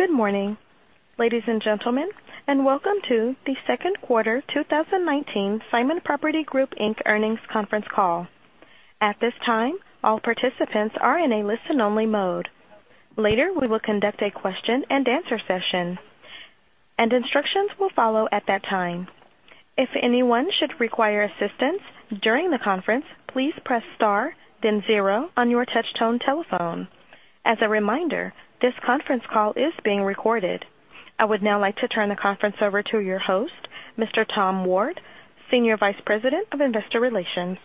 Good morning, ladies and gentlemen, welcome to the Second Quarter 2019 Simon Property Group Inc. Earnings Conference Call. At this time, all participants are in a listen-only mode. Later, we will conduct a question and answer session, instructions will follow at that time. If anyone should require assistance during the conference, please press star then zero on your touch-tone telephone. As a reminder, this conference call is being recorded. I would now like to turn the conference over to your host, Mr. Tom Ward, Senior Vice President of Investor Relations.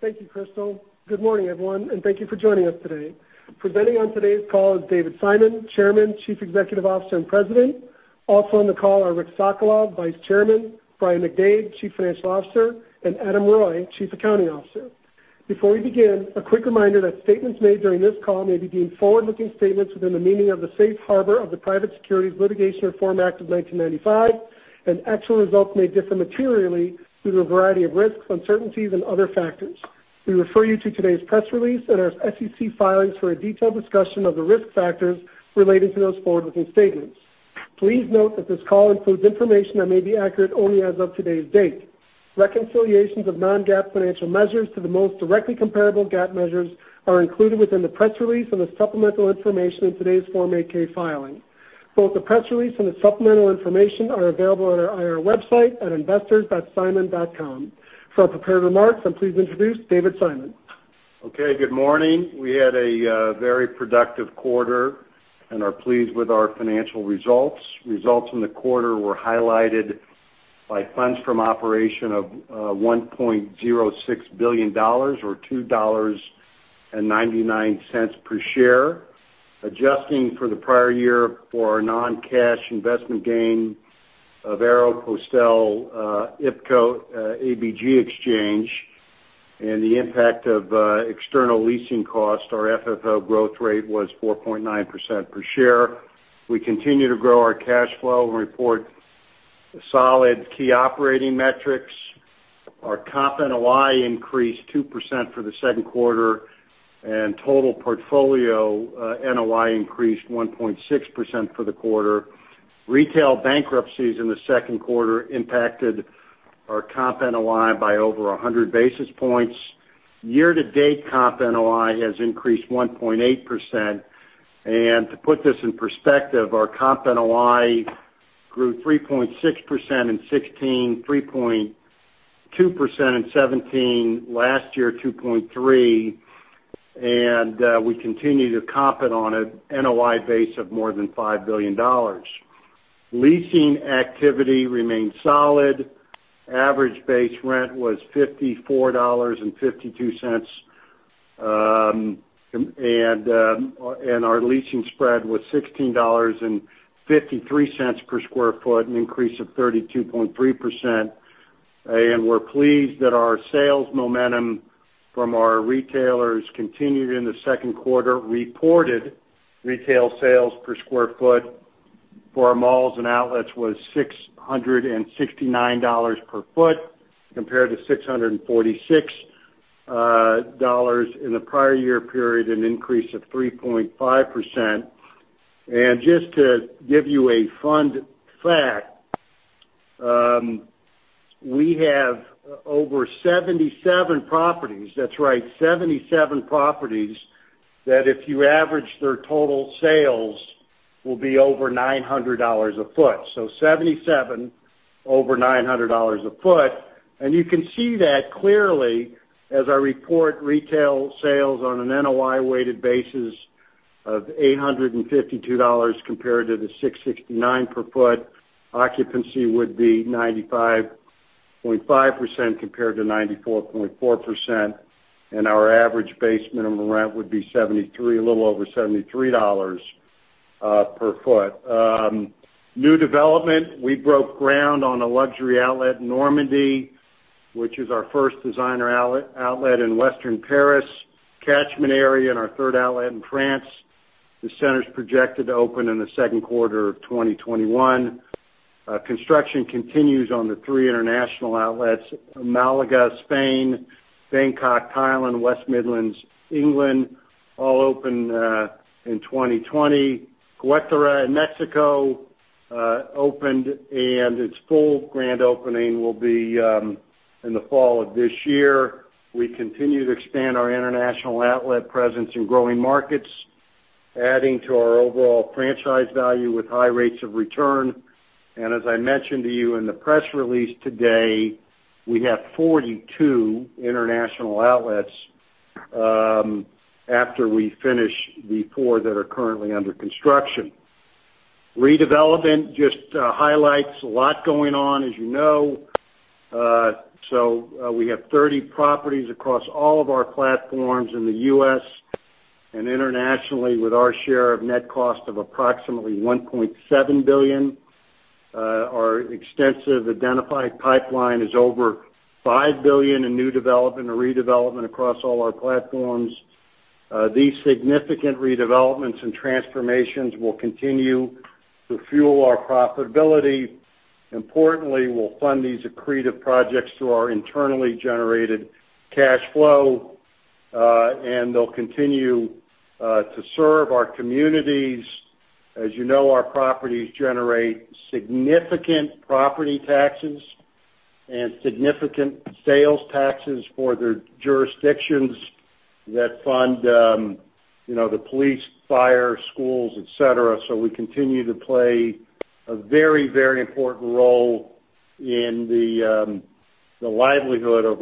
Thank you, Crystal. Good morning, everyone, and thank you for joining us today. Presenting on today's call is David Simon, Chairman, Chief Executive Officer, and President. Also on the call are Rick Sokolov, Vice Chairman, Brian McDade, Chief Financial Officer, and Adam Reuille, Chief Accounting Officer. Before we begin, a quick reminder that statements made during this call may be deemed forward-looking statements within the meaning of the Safe Harbor of the Private Securities Litigation Reform Act of 1995, and actual results may differ materially due to a variety of risks, uncertainties, and other factors. We refer you to today's press release and our SEC filings for a detailed discussion of the risk factors relating to those forward-looking statements. Please note that this call includes information that may be accurate only as of today's date. Reconciliations of non-GAAP financial measures to the most directly comparable GAAP measures are included within the press release and as supplemental information in today's Form 8-K filing. Both the press release and the supplemental information are available on our IR website at investors.simon.com. For our prepared remarks, I'm pleased to introduce David Simon. Okay. Good morning. We had a very productive quarter and are pleased with our financial results. Results in the quarter were highlighted by funds from operation of $1.06 billion, or $2.99 per share. Adjusting for the prior year for our non-cash investment gain of Aéropostale, IPCo, ABG Exchange, and the impact of internal leasing costs, our FFO growth rate was 4.9% per share. We continue to grow our cash flow and report the solid key operating metrics. Our comp NOI increased 2% for the second quarter, and total portfolio NOI increased 1.6% for the quarter. Retail bankruptcies in the second quarter impacted our comp NOI by over 100 basis points. Year-to-date comp NOI has increased 1.8%. To put this in perspective, our comp NOI grew 3.6% in 2016, 3.2% in 2017, last year, 2.3%, and we continue to comp it on a NOI base of more than $5 billion. Leasing activity remained solid. Average base rent was $54.52, and our leasing spread was $16.53 per sq ft, an increase of 32.3%. We're pleased that our sales momentum from our retailers continued in the second quarter. Reported retail sales per sq ft for our malls and outlets was $669 per ft compared to $646 in the prior year period, an increase of 3.5%. Just to give you a fun fact, we have over 77 properties, that's right, 77 properties, that if you average their total sales, will be over $900 a ft. 77 over $900 a ft. You can see that clearly as our report retail sales on an NOI-weighted basis of $852 compared to the $669 per ft, occupancy would be 95.5% compared to 94.4%, and our average base minimum rent would be a little over $73 per ft. New development, we broke ground on a luxury outlet in Normandy, which is our first designer outlet in Western Paris catchment area and our third outlet in France. The center's projected to open in the second quarter of 2021. Construction continues on the three international outlets, Málaga, Spain, Bangkok, Thailand, West Midlands, England, all open in 2020. Querétaro in Mexico opened, its full grand opening will be in the fall of this year. We continue to expand our international outlet presence in growing markets, adding to our overall franchise value with high rates of return. As I mentioned to you in the press release today, we have 42 international outlets after we finish the four that are currently under construction. Redevelopment just highlights a lot going on, as you know. We have 30 properties across all of our platforms in the U.S. and internationally with our share of net cost of approximately $1.7 billion. Our extensive identified pipeline is over $5 billion in new development or redevelopment across all our platforms. These significant redevelopments and transformations will continue to fuel our profitability. Importantly, we'll fund these accretive projects through our internally generated cash flow, and they'll continue to serve our communities. As you know, our properties generate significant property taxes and significant sales taxes for the jurisdictions that fund the police, fire, schools, et cetera. We continue to play a very important role in the livelihood of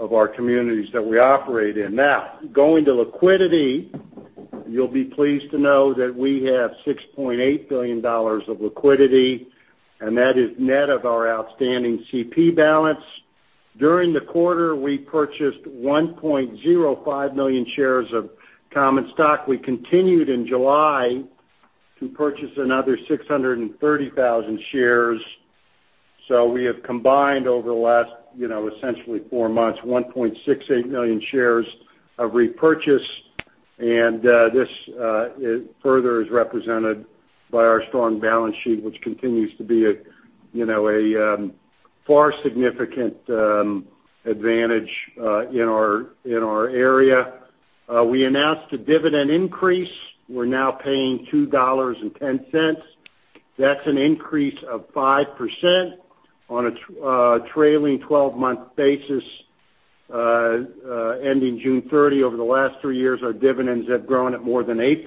our communities that we operate in. Now, going to liquidity, you'll be pleased to know that we have $6.8 billion of liquidity, and that is net of our outstanding CP balance. During the quarter, we purchased 1.05 million shares of common stock. We continued in July to purchase another 630,000 shares. We have combined, over the last essentially four months, 1.68 million shares of repurchase. This further is represented by our strong balance sheet, which continues to be a far significant advantage in our area. We announced a dividend increase. We're now paying $2.10. That's an increase of 5% on a trailing 12-month basis ending June 30. Over the last three years, our dividends have grown at more than 8%.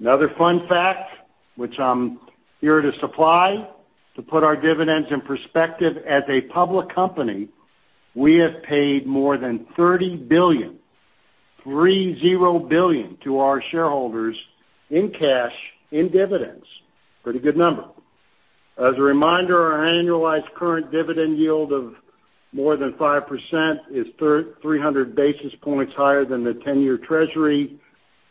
Another fun fact, which I'm here to supply, to put our dividends in perspective, as a public company, we have paid more than $30 billion, $3-0 billion, to our shareholders in cash, in dividends. Pretty good number. As a reminder, our annualized current dividend yield of more than 5% is 300 basis points higher than the 10-year treasury,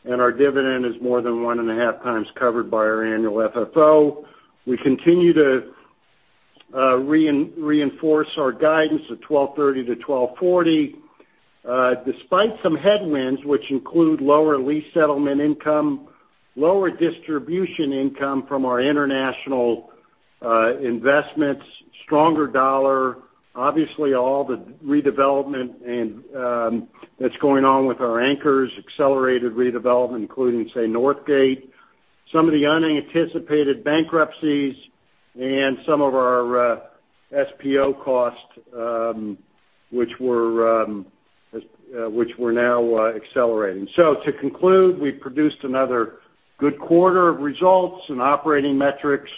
and our dividend is more than 1.5x covered by our annual FFO. We continue to reinforce our guidance of $1,230 to $1,240. Despite some headwinds, which include lower lease settlement income, lower distribution income from our international investments, stronger dollar, obviously all the redevelopment that's going on with our anchors, accelerated redevelopment, including, say, Northgate, some of the unanticipated bankruptcies, and some of our SPO costs which we're now accelerating. To conclude, we produced another good quarter of results and operating metrics.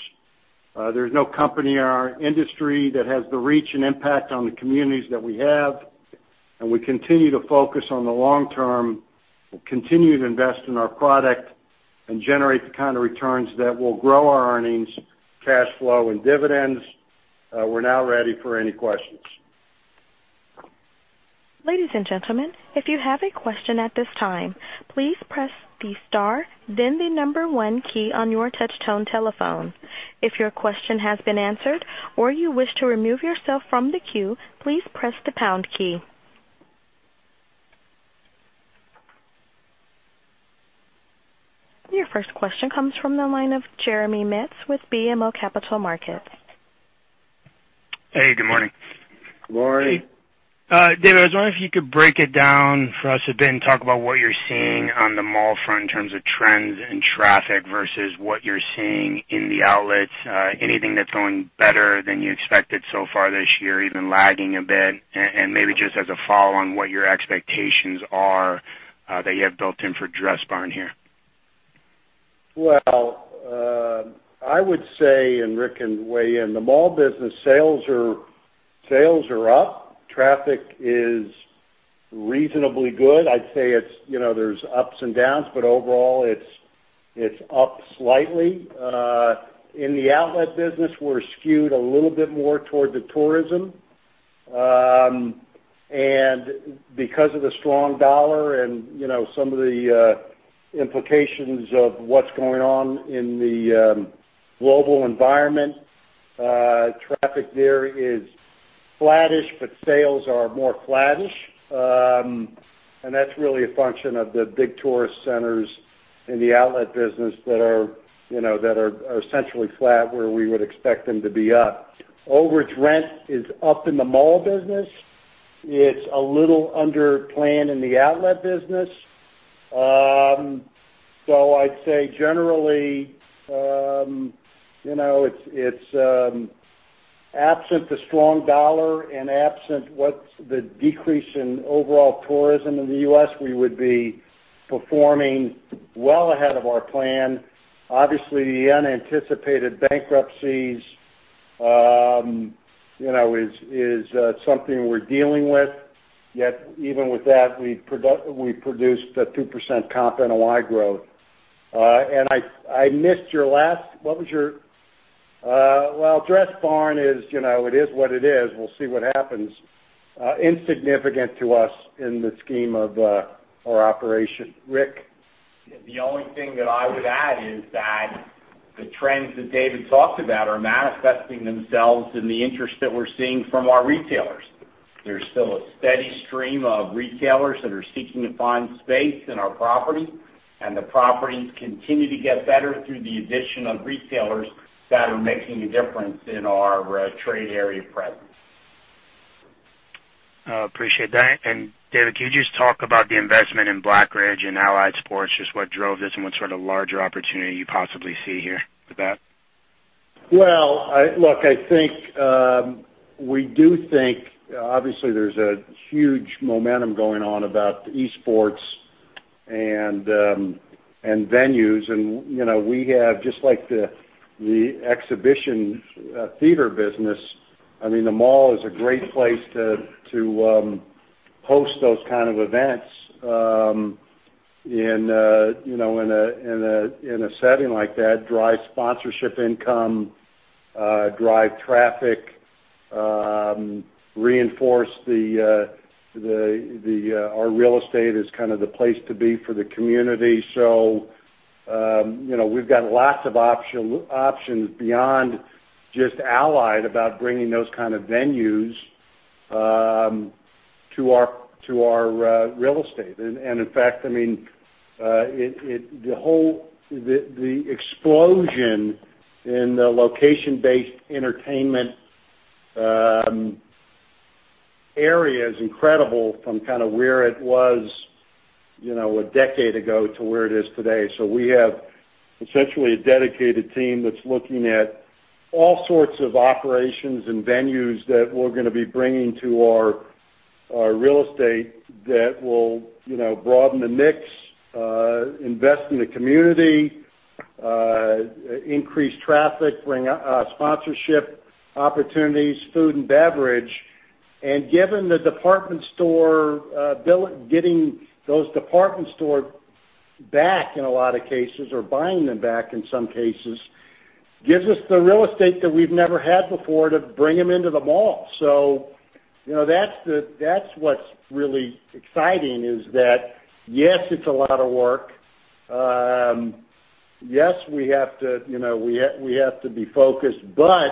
There's no company in our industry that has the reach and impact on the communities that we have, and we continue to focus on the long term. We'll continue to invest in our product and generate the kind of returns that will grow our earnings, cash flow, and dividends. We're now ready for any questions. Ladies and gentlemen, if you have a question at this time, please press the star, then the number one key on your touch tone telephone. If your question has been answered or you wish to remove yourself from the queue, please press the pound key. Your first question comes from the line of Jeremy Metz with BMO Capital Markets. Hey, good morning. Good morning. David, I was wondering if you could break it down for us a bit and talk about what you're seeing on the mall front in terms of trends and traffic versus what you're seeing in the outlets. Anything that's going better than you expected so far this year, even lagging a bit, and maybe just as a follow on what your expectations are that you have built in for Dressbarn here? Well, I would say, Rick can weigh in, the mall business sales are up. Traffic is reasonably good. I'd say there's ups and downs, overall, it's up slightly. In the outlet business, we're skewed a little bit more toward the tourism. Because of the strong dollar and some of the implications of what's going on in the global environment, traffic there is flattish, sales are more flattish. That's really a function of the big tourist centers in the outlet business that are essentially flat where we would expect them to be up. Overage rent is up in the mall business. It's a little under plan in the outlet business. I'd say generally, it's absent the strong dollar and absent what the decrease in overall tourism in the U.S., we would be performing well ahead of our plan. Obviously, the unanticipated bankruptcies is something we're dealing with. Yet even with that, we produced a 2% comp NOI growth. Well, Dressbarn, it is what it is. We'll see what happens. Insignificant to us in the scheme of our operation. Rick? The only thing that I would add is that the trends that David talked about are manifesting themselves in the interest that we're seeing from our retailers. There's still a steady stream of retailers that are seeking to find space in our property, and the properties continue to get better through the addition of retailers that are making a difference in our trade area presence. Appreciate that. David, can you just talk about the investment in Black Ridge and Allied Esports, just what drove this and what sort of larger opportunity you possibly see here with that? Well, look, I think, we do think, obviously, there's a huge momentum going on about esports and venues, and we have just like the exhibition theater business. The mall is a great place to host those kind of events in a setting like that, drive sponsorship income, drive traffic, reinforce our real estate as kind of the place to be for the community. We've got lots of options beyond just Allied about bringing those kind of venues to our real estate. In fact, the explosion in the location-based entertainment area is incredible from where it was a decade ago to where it is today. We have essentially a dedicated team that's looking at all sorts of operations and venues that we're going to be bringing to our real estate that will broaden the mix, invest in the community, increase traffic, bring sponsorship opportunities, food and beverage. Given the department store, getting those department store back in a lot of cases, or buying them back in some cases, gives us the real estate that we've never had before to bring them into the mall. That's what's really exciting is that, yes, it's a lot of work, yes, we have to be focused, but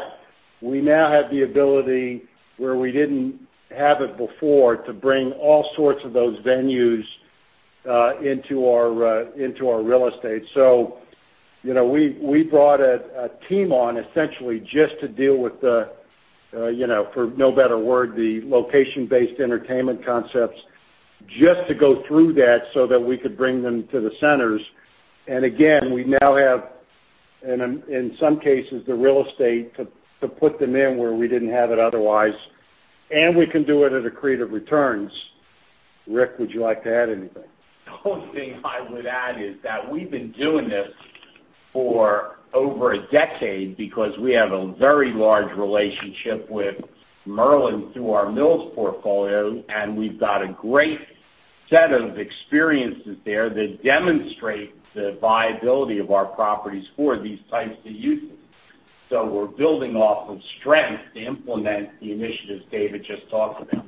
we now have the ability, where we didn't have it before, to bring all sorts of those venues into our real estate. We brought a team on essentially just to deal with the, for no better word, the location-based entertainment concepts, just to go through that so that we could bring them to the centers. Again, we now have, in some cases, the real estate to put them in where we didn't have it otherwise, and we can do it at accretive returns. Rick, would you like to add anything? The only thing I would add is that we've been doing this for over a decade because we have a very large relationship with Merlin through our Mills portfolio, and we've got a great set of experiences there that demonstrate the viability of our properties for these types of uses. We're building off of strength to implement the initiatives David just talked about.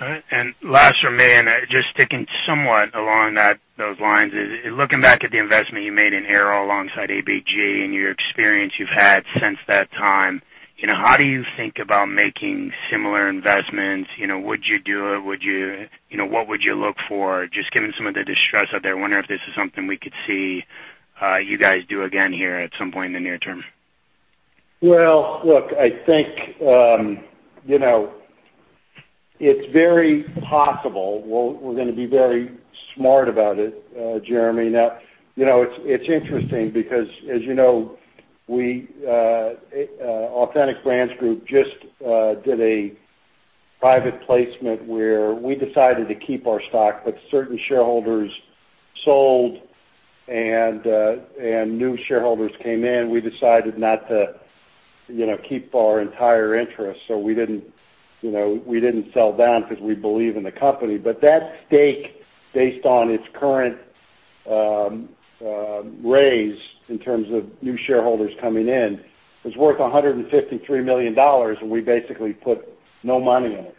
All right. Last from me, and just sticking somewhat along those lines is, looking back at the investment you made in Aero alongside ABG and your experience you've had since that time, how do you think about making similar investments? Would you do it? What would you look for? Just given some of the distress out there, I wonder if this is something we could see you guys do again here at some point in the near term. Well, look, I think, it's very possible. We're going to be very smart about it, Jeremy. It's interesting because as you know, Authentic Brands Group just did a private placement where we decided to keep our stock, but certain shareholders sold and new shareholders came in. We decided not to keep our entire interest. We didn't sell down because we believe in the company. That stake, based on its current raise in terms of new shareholders coming in, is worth $153 million, and we basically put no money in it.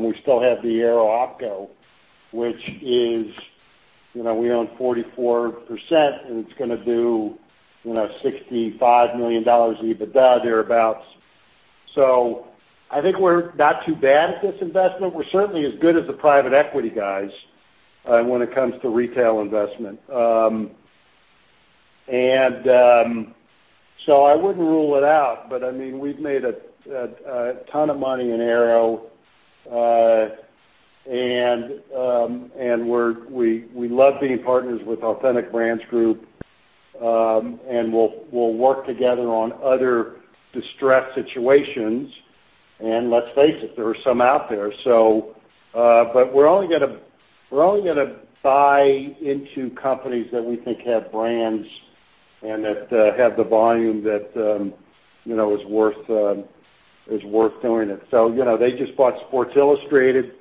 We still have the Aero OpCo, which is, we own 44%, and it's going to do $65 million in EBITDA, thereabout. I think we're not too bad at this investment. We're certainly as good as the private equity guys when it comes to retail investment. I wouldn't rule it out, but we've made a ton of money in Aero, and we love being partners with Authentic Brands Group. We'll work together on other distressed situations. Let's face it, there are some out there. We're only going to buy into companies that we think have brands and that have the volume that is worth doing it. They just bought Sports Illustrated.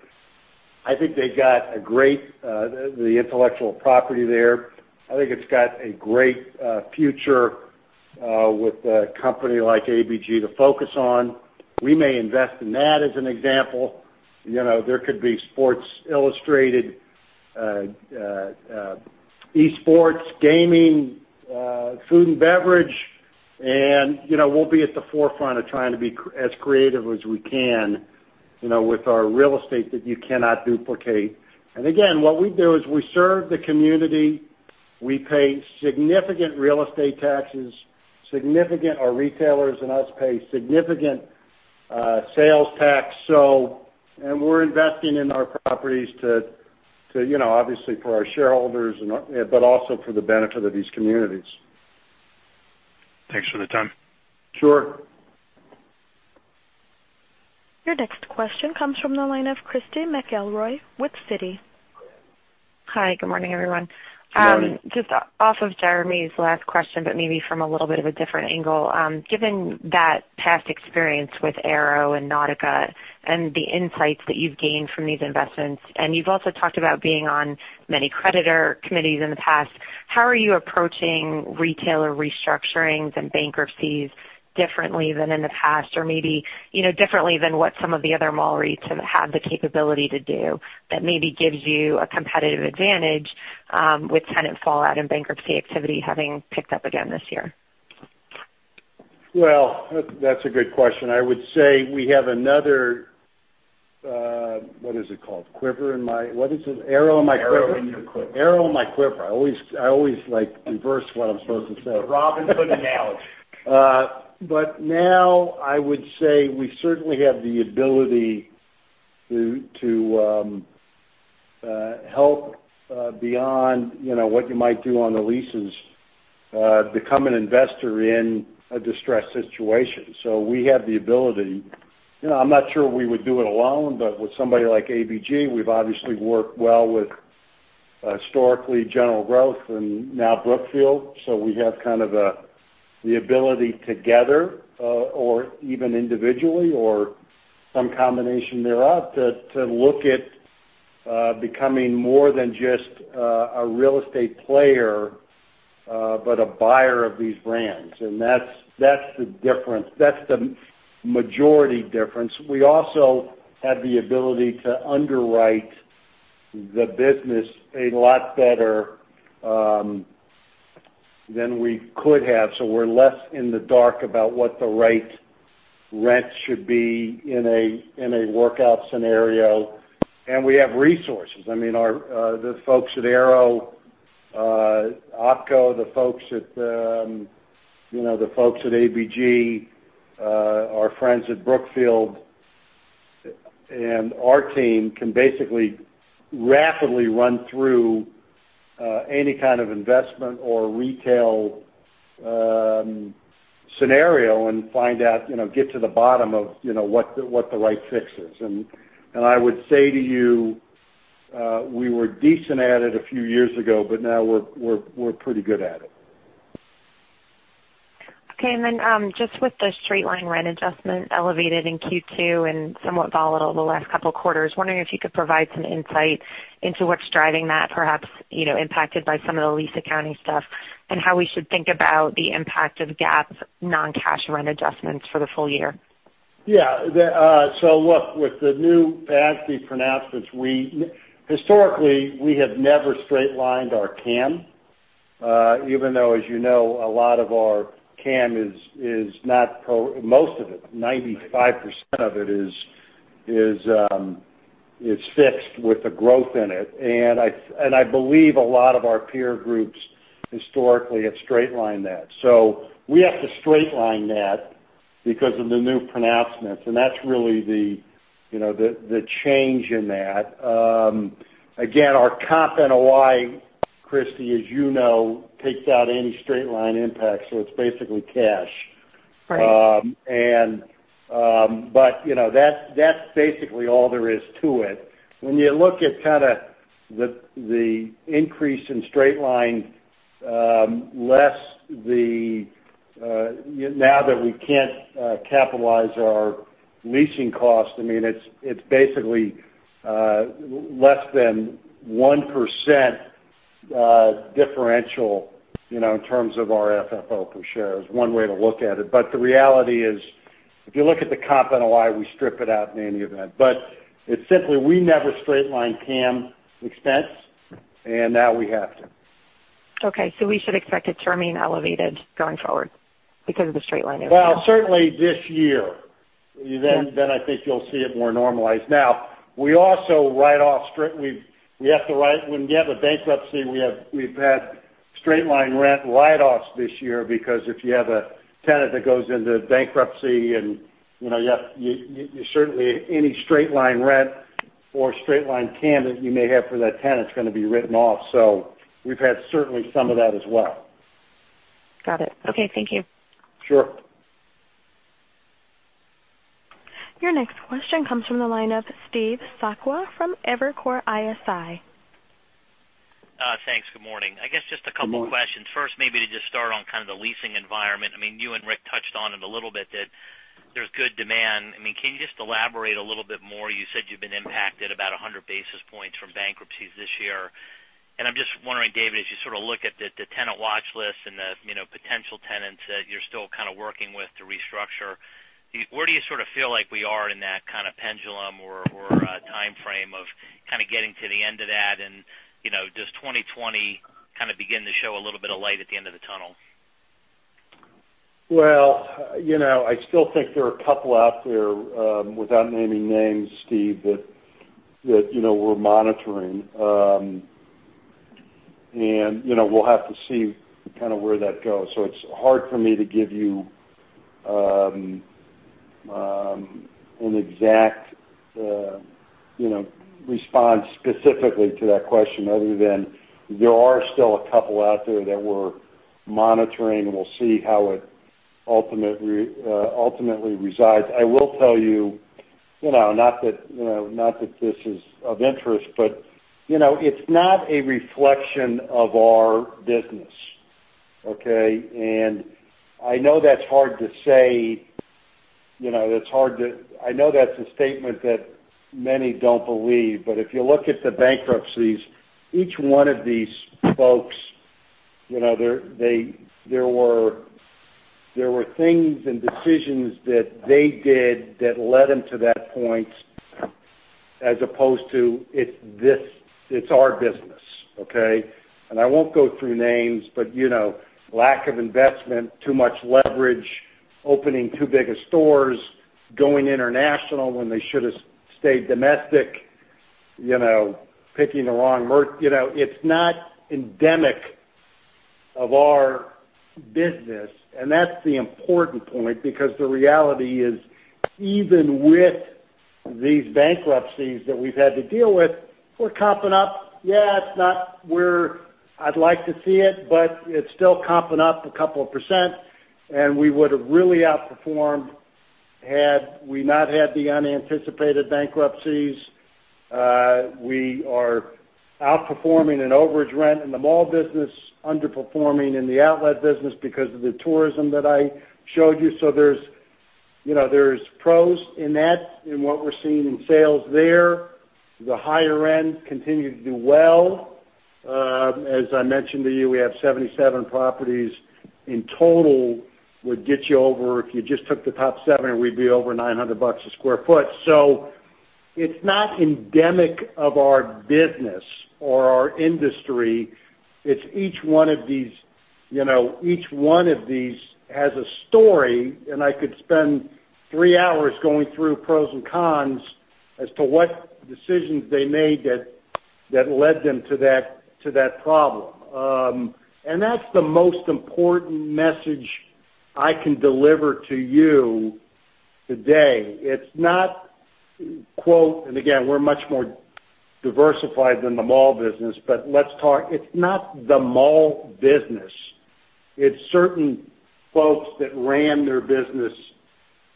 I think they got the intellectual property there. I think it's got a great future with a company like ABG to focus on. We may invest in that as an example. There could be Sports Illustrated, Esports, gamingFood and beverage, and we'll be at the forefront of trying to be as creative as we can, with our real estate that you cannot duplicate. Again, what we do is we serve the community. We pay significant real estate taxes, our retailers and us pay significant sales tax. We're investing in our properties, obviously for our shareholders, but also for the benefit of these communities. Thanks for the time. Sure. Your next question comes from the line of Christy McElroy with Citi. Hi, good morning, everyone. Good morning. Just off of Jeremy's last question, maybe from a little bit of a different angle. Given that past experience with Aero and Nautica and the insights that you've gained from these investments, and you've also talked about being on many creditor committees in the past, how are you approaching retailer restructurings and bankruptcies differently than in the past? Maybe, differently than what some of the other mall REITs have had the capability to do that maybe gives you a competitive advantage, with tenant fallout and bankruptcy activity having picked up again this year? Well, that's a good question. I would say we have another, what is it called? Quiver in my What is it? Arrow in my quiver. Arrow in your quiver. Arrow in my quiver. I always like, inverse what I'm supposed to say. The Normandy analogy. Now, I would say we certainly have the ability to help, beyond what you might do on the leases, become an investor in a distressed situation. We have the ability. I'm not sure we would do it alone, but with somebody like ABG, we've obviously worked well with, historically, General Growth and now Brookfield. We have the ability together, or even individually or some combination thereof, to look at becoming more than just a real estate player, but a buyer of these brands. That's the difference. That's the majority difference. We also have the ability to underwrite the business a lot better, than we could have. We're less in the dark about what the right rent should be in a workout scenario. We have resources. I mean, the folks at Aero OpCo, the folks at ABG, our friends at Brookfield, and our team can basically rapidly run through any kind of investment or retail scenario and get to the bottom of what the right fix is. I would say to you, we were decent at it a few years ago, but now we're pretty good at it. Okay. Just with the straight-line rent adjustment elevated in Q2 and somewhat volatile the last couple of quarters, wondering if you could provide some insight into what's driving that, perhaps, impacted by some of the lease accounting stuff, how we should think about the impact of GAAP non-cash rent adjustments for the full year. Yeah. Look, with the new FASB pronouncements, historically, we have never straight-lined our CAM. Even though, as you know, a lot of our CAM, most of it, 95% of it, is fixed with a growth in it. I believe a lot of our peer groups historically have straight-lined that. We have to straight-line that because of the new pronouncements. That's really the change in that. Again, our comp NOI, Christy, as you know, takes out any straight-line impact, so it's basically cash. Right. That's basically all there is to it. When you look at kind of the increase in straight line, now that we can't capitalize our leasing cost, I mean, it's basically, less than 1% differential in terms of our FFO per share, is one way to look at it. The reality is, if you look at the comp NOI, we strip it out in any event. It's simply, we never straight-line CAM expense, and now we have to. Okay. We should expect it to remain elevated going forward because of the straight lining. Well, certainly this year. Then I think you'll see it more normalized. Now, when you have a bankruptcy, we've had straight line rent write-offs this year because if you have a tenant that goes into bankruptcy and certainly any straight line rent or straight line CAM that you may have for that tenant is going to be written off. We've had certainly some of that as well. Got it. Okay. Thank you. Sure. Your next question comes from the line of Steve Sakwa from Evercore ISI. Thanks. Good morning. I guess just a couple questions. First, maybe to just start on k the leasing environment. I mean, you and Rick touched on it a little bit, that there's good demand. Can you just elaborate a little bit more? You said you've been impacted about 100 basis points from bankruptcies this year. I'm just wondering, David, as you sort of look at the tenant watch list and the potential tenants that you're still kind of working with to restructure, where do you sort of feel like we are in that kind of pendulum or transition timeframe of getting to the end of that and does 2020 kind of begin to show a little bit of light at the end of the tunnel? Well, I still think there are a couple out there, without naming names, Steve, that we're monitoring. We'll have to see where that goes. It's hard for me to give you an exact response specifically to that question other than there are still a couple out there that we're monitoring, and we'll see how it ultimately resides. I will tell you, not that this is of interest, but it's not a reflection of our business. Okay? I know that's hard to say. I know that's a statement that many don't believe, but if you look at the bankruptcies, each one of these folks, there were things and decisions that they did that led them to that point as opposed to it's our business. Okay? I won't go through names, but lack of investment, too much leverage, opening too big of stores, going international when they should have stayed domestic, picking the wrong merch. It's not endemic of our business, and that's the important point because the reality is, even with these bankruptcies that we've had to deal with, we're comping up. Yeah, it's not where I'd like to see it, but it's still comping up a couple of %, and we would've really outperformed had we not had the unanticipated bankruptcies. We are outperforming in overage rent in the mall business, underperforming in the outlet business because of the tourism that I showed you. There's pros in that, in what we're seeing in sales there. The higher end continue to do well. As I mentioned to you, we have 77 properties in total, would get you over If you just took the top seven, we'd be over $900 a sq ft. It's not endemic of our business or our industry. It's each one of these has a story, and I could spend three hours going through pros and cons as to what decisions they made that led them to that problem. That's the most important message I can deliver to you today. It's not, quote, and again, we're much more diversified than the mall business, let's talk. It's not the mall business. It's certain folks that ran their business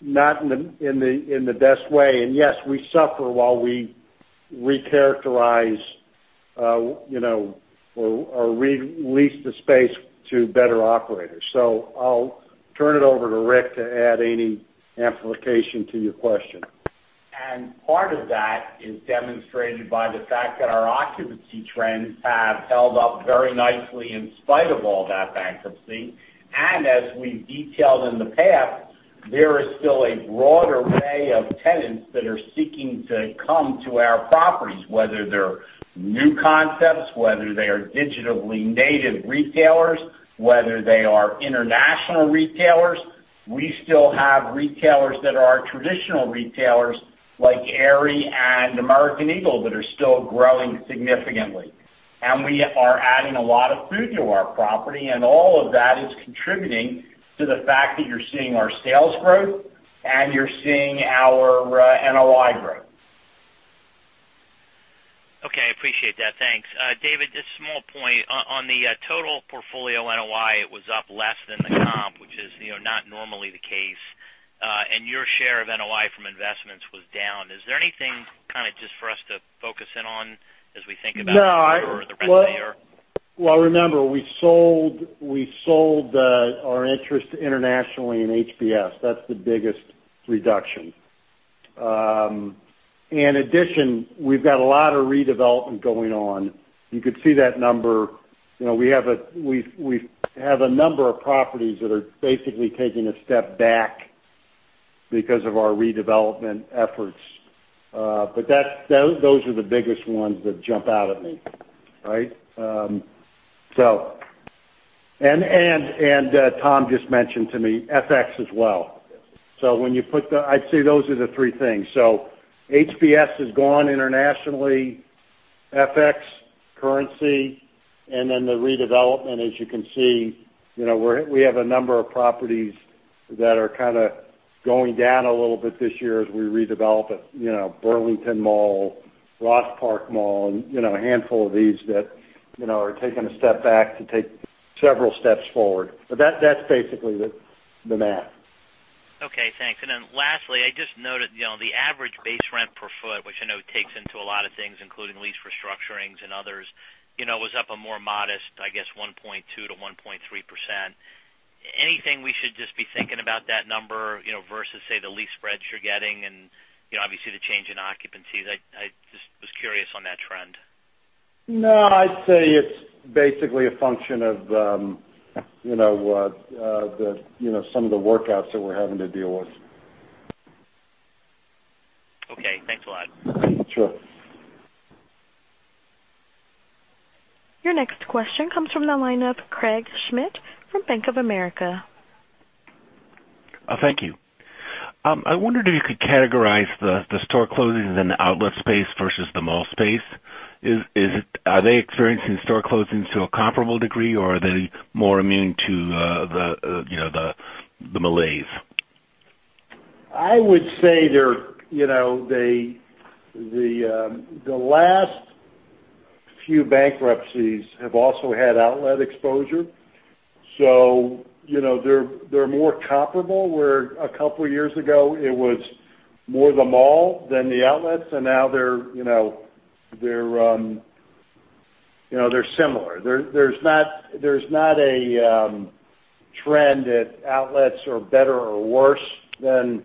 not in the best way. Yes, we suffer while we recharacterize or re-lease the space to better operators. I'll turn it over to Rick to add any amplification to your question. Part of that is demonstrated by the fact that our occupancy trends have held up very nicely in spite of all that bankruptcy. As we've detailed in the past, there is still a broad array of tenants that are seeking to come to our properties, whether they're new concepts, whether they are digitally native retailers, whether they are international retailers. We still have retailers that are our traditional retailers, like Aerie and American Eagle, that are still growing significantly. We are adding a lot of food to our property, and all of that is contributing to the fact that you're seeing our sales growth, and you're seeing our NOI growth. Okay. I appreciate that. Thanks. David, a small point. On the total portfolio NOI, it was up less than the comp, which is not normally the case. Your share of NOI from investments was down. Is there anything kind of just for us to focus in on as we think about? No the rest of the year? Well, remember, we sold our interest internationally in HBS. That's the biggest reduction. In addition, we've got a lot of redevelopment going on. You could see that number. We have a number of properties that are basically taking a step back because of our redevelopment efforts. Those are the biggest ones that jump out at me. Right? Tom just mentioned to me, FX as well. I'd say those are the three things. HBS is gone internationally, FX, currency, and then the redevelopment. As you can see, we have a number of properties that are kind of going down a little bit this year as we redevelop at Burlington Mall, Ross Park Mall, and a handful of these that are taking a step back to take several steps forward. That's basically the math. Okay, thanks. Lastly, I just noted the average base rent per foot, which I know takes into a lot of things, including lease restructurings and others, was up a more modest, I guess, 1.2%-1.3%. Anything we should just be thinking about that number versus, say, the lease spreads you're getting and obviously the change in occupancies? I just was curious on that trend. No, I'd say it's basically a function of some of the workouts that we're having to deal with. Okay, thanks a lot. Sure. Your next question comes from the line of Craig Schmidt from Bank of America. Thank you. I wondered if you could categorize the store closings in the outlet space versus the mall space. Are they experiencing store closings to a comparable degree, or are they more immune to the malaise? I would say the last few bankruptcies have also had outlet exposure. They're more comparable. Where a couple of years ago, it was more the mall than the outlets. Now they're similar. There's not a trend that outlets are better or worse than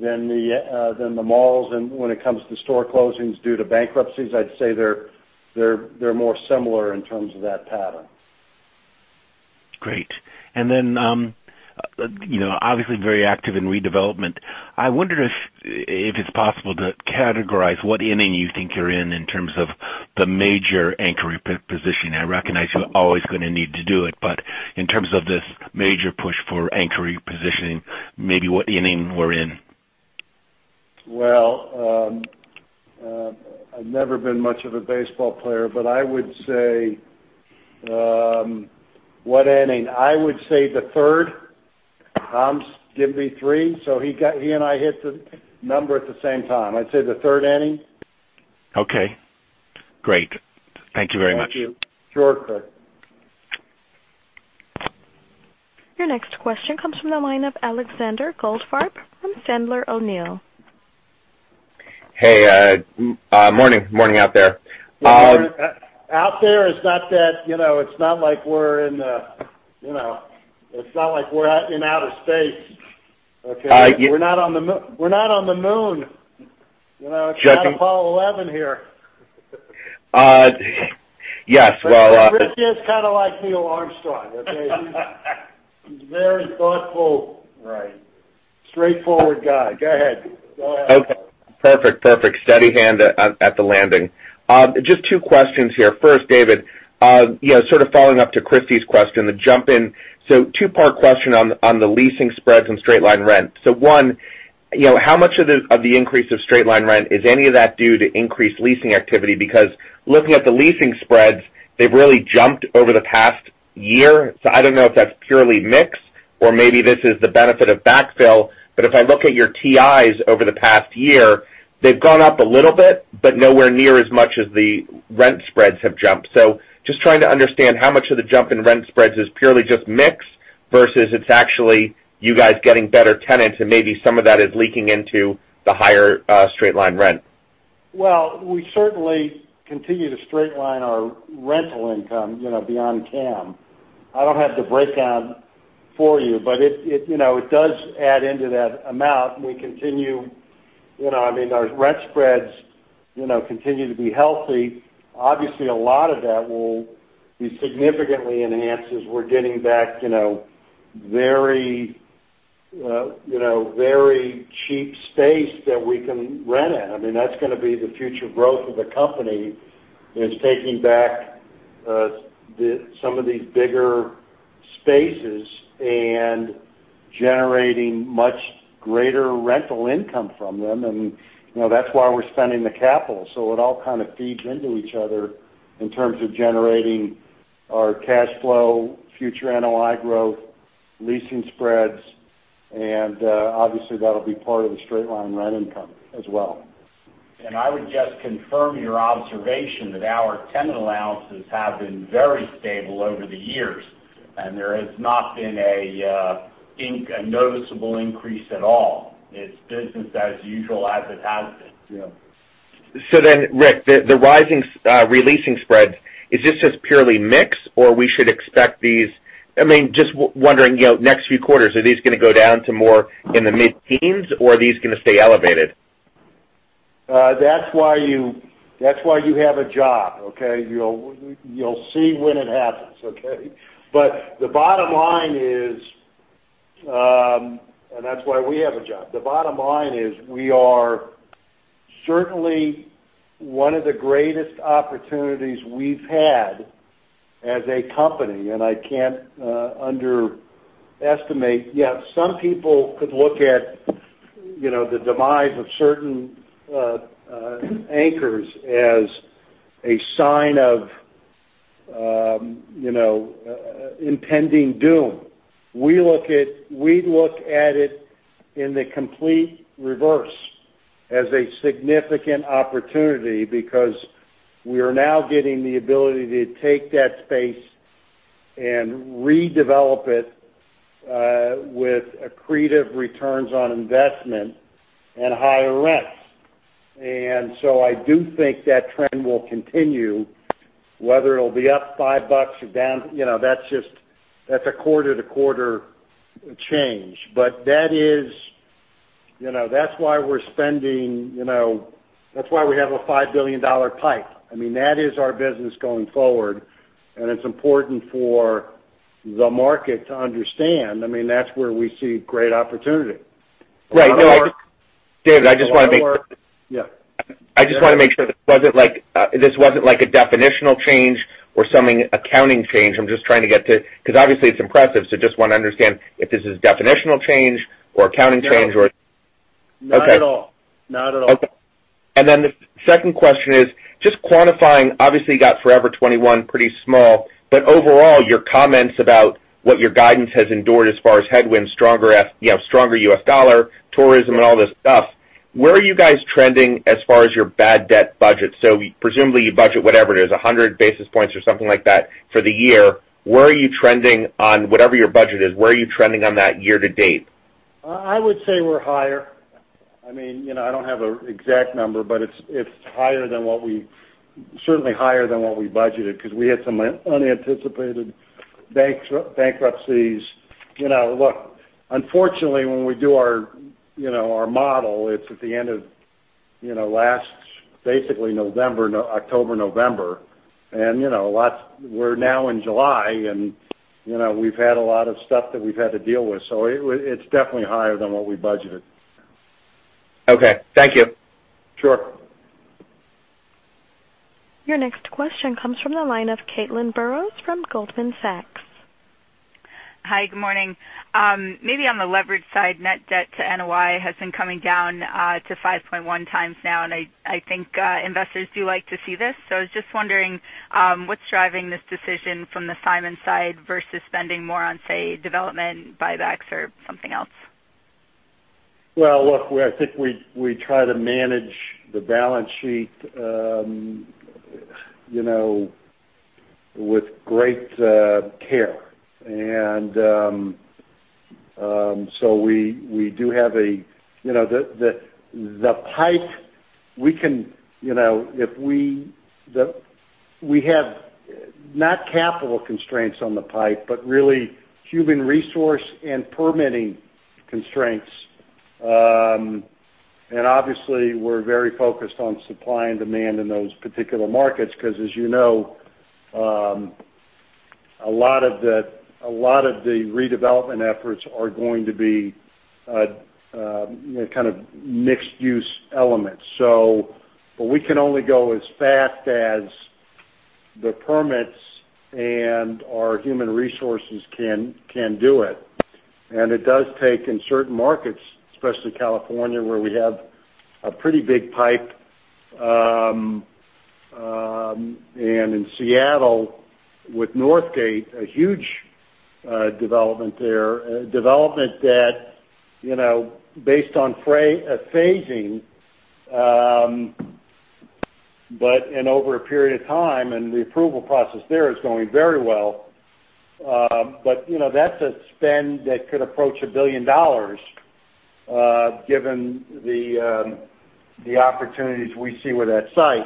the malls. When it comes to store closings due to bankruptcies, I'd say they're more similar in terms of that pattern. Great. Obviously, very active in redevelopment. I wonder if it's possible to categorize what inning you think you're in terms of the major anchoring position. I recognize you're always going to need to do it. In terms of this major push for anchoring positioning, maybe what inning we're in. Well, I've never been much of a baseball player. I would say What inning? I would say the third. Tom's giving me three. He and I hit the number at the same time. I'd say the third inning. Okay, great. Thank you very much. Thank you. Sure, Craig. Your next question comes from the line of Alexander Goldfarb from Sandler O'Neill. Hey, morning. Morning out there. Out there, it's not like we're in outer space. Okay? We're not on the moon. It's not Apollo 11 here. Yes. Chris is kind of like Neil Armstrong, okay? He's a very thoughtful-. Right straightforward guy. Go ahead. Okay. Perfect. Steady hand at the landing. Just two questions here. First, David, sort of following up to Christy's question, the jump in. Two-part question on the leasing spreads and straight-line rent. One, how much of the increase of straight-line rent, is any of that due to increased leasing activity? Looking at the leasing spreads, they've really jumped over the past year. I don't know if that's purely mix or maybe this is the benefit of backfill. If I look at your TIs over the past year, they've gone up a little bit, but nowhere near as much as the rent spreads have jumped. Just trying to understand how much of the jump in rent spreads is purely just mix versus it's actually you guys getting better tenants, and maybe some of that is leaking into the higher straight-line rent. We certainly continue to straight-line our rental income beyond CAM. I don't have the breakdown for you, but it does add into that amount, and we continue. Our rent spreads continue to be healthy. Obviously, a lot of that will be significantly enhanced as we're getting back very cheap space that we can rent out. That's going to be the future growth of the company, is taking back some of these bigger spaces and generating much greater rental income from them. That's why we're spending the capital. It all kind of feeds into each other in terms of generating our cash flow, future NOI growth, leasing spreads, obviously, that'll be part of the straight-line rent income as well. I would just confirm your observation that our tenant allowances have been very stable over the years, and there has not been a noticeable increase at all. It's business as usual as it has been. Rick, the rising re-leasing spreads, is this just purely mix, or just wondering, next few quarters, are these going to go down to more in the mid-teens, or are these going to stay elevated? That's why you have a job, okay? You'll see when it happens, okay? That's why we have a job. We are certainly one of the greatest opportunities we've had as a company, I can't underestimate. Yet some people could look at the demise of certain anchors as a sign of impending doom. We look at it in the complete reverse, as a significant opportunity because we are now getting the ability to take that space and redevelop it with accretive returns on investment and higher rents. I do think that trend will continue, whether it'll be up $5 or down. That's a quarter-to-quarter change. That's why we have a $5 billion pipe. That is our business going forward, it's important for the market to understand. That's where we see great opportunity. Right. David. Yeah. I just want to make sure this wasn't like a definitional change or something, accounting change. I'm just trying to get to because obviously, it's impressive, so just want to understand if this is definitional change or accounting change. No. Not at all. Okay. Not at all. Okay. The second question is just quantifying. Obviously, you got Forever 21, pretty small. Overall, your comments about what your guidance has endured as far as headwinds, stronger U.S. dollar, tourism, and all this stuff, where are you guys trending as far as your bad debt budget? Presumably, you budget whatever it is, 100 basis points or something like that for the year. Where are you trending on whatever your budget is? Where are you trending on that year-to-date? I would say we're higher. I don't have an exact number, but it's certainly higher than what we budgeted because we had some unanticipated bankruptcies. Look, unfortunately, when we do our model, it's at the end of last, basically October, November. We're now in July, and we've had a lot of stuff that we've had to deal with. It's definitely higher than what we budgeted. Okay. Thank you. Sure. Your next question comes from the line of Caitlin Burrows from Goldman Sachs. Hi, good morning. Maybe on the leverage side, net debt to NOI has been coming down to 5.1x now, and I think investors do like to see this. I was just wondering what's driving this decision from the Simon side versus spending more on, say, development, buybacks, or something else? Well, look, I think we try to manage the balance sheet with great care. We do have the pipe. We have not capital constraints on the pipe, but really human resource and permitting constraints. Obviously, we're very focused on supply and demand in those particular markets, because as you know, a lot of the redevelopment efforts are going to be kind of mixed-use elements. We can only go as fast as the permits and our human resources can do it. It does take, in certain markets, especially California, where we have a pretty big pipe, and in Seattle with Northgate, a huge development there, a development that based on phasing, but in over a period of time, and the approval process there is going very well. That's a spend that could approach $1 billion, given the opportunities we see with that site.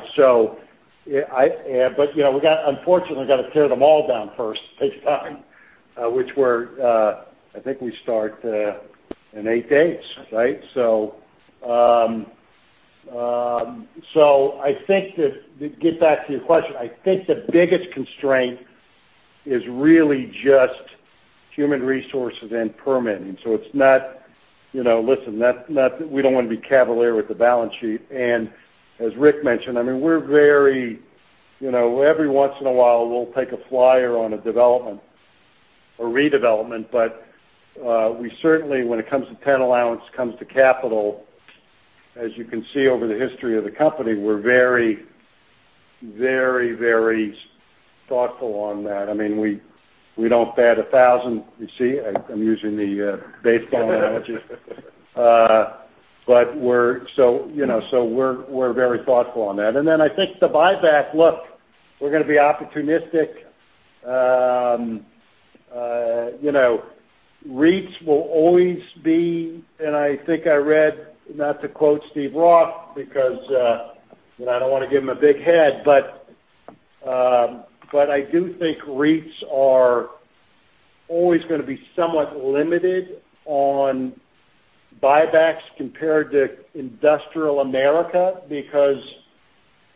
Unfortunately, we've got to tear them all down first, take time, which I think we start in eight days. Right? I think to get back to your question, I think the biggest constraint is really just human resources and permitting. It's not Listen, we don't want to be cavalier with the balance sheet. As Rick mentioned, every once in a while, we'll take a flyer on a development or redevelopment. We certainly, when it comes to tenant allowance, comes to capital, as you can see over the history of the company, we're very thoughtful on that. We don't bat 1,000. You see, I'm using the baseball analogy. We're very thoughtful on that. I think the buyback, look, we're going to be opportunistic. REITs will always be, and I think I read, not to quote Steve Roth, because I don't want to give him a big head, but I do think REITs are always going to be somewhat limited on buybacks compared to industrial America because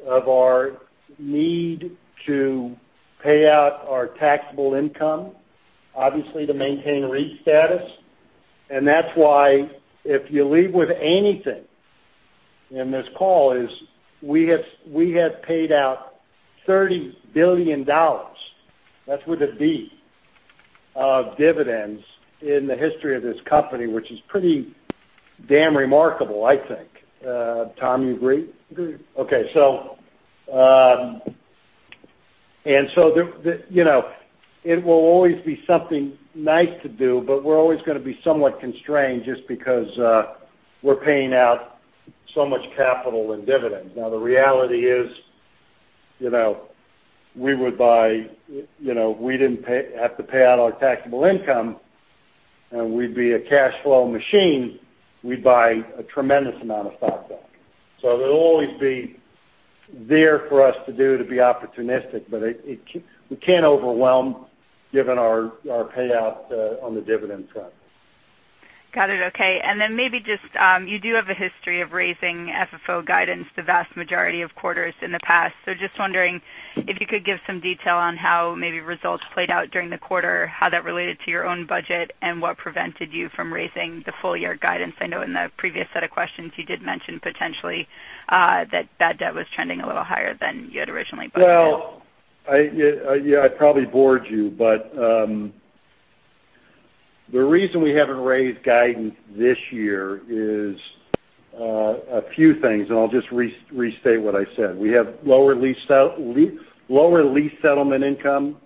of our need to pay out our taxable income, obviously, to maintain REIT status. That's why if you leave with anything in this call is we have paid out $30 billion, that's with a B, of dividends in the history of this company, which is pretty damn remarkable, I think. Tom, you agree? Agreed. Okay. It will always be something nice to do, but we're always going to be somewhat constrained just because we're paying out so much capital in dividends. Now, the reality is, if we didn't have to pay out our taxable income, and we'd be a cash flow machine, we'd buy a tremendous amount of stock back. There'll always be there for us to do to be opportunistic, but we can't overwhelm given our payout on the dividend side. Got it. Okay. Maybe just, you do have a history of raising FFO guidance the vast majority of quarters in the past. Just wondering if you could give some detail on how maybe results played out during the quarter, how that related to your own budget, and what prevented you from raising the full year guidance. I know in the previous set of questions you did mention potentially that bad debt was trending a little higher than you had originally budgeted. Well, I'd probably bore you, but the reason we haven't raised guidance this year is a few things. I'll just restate what I said. We have lower lease settlement income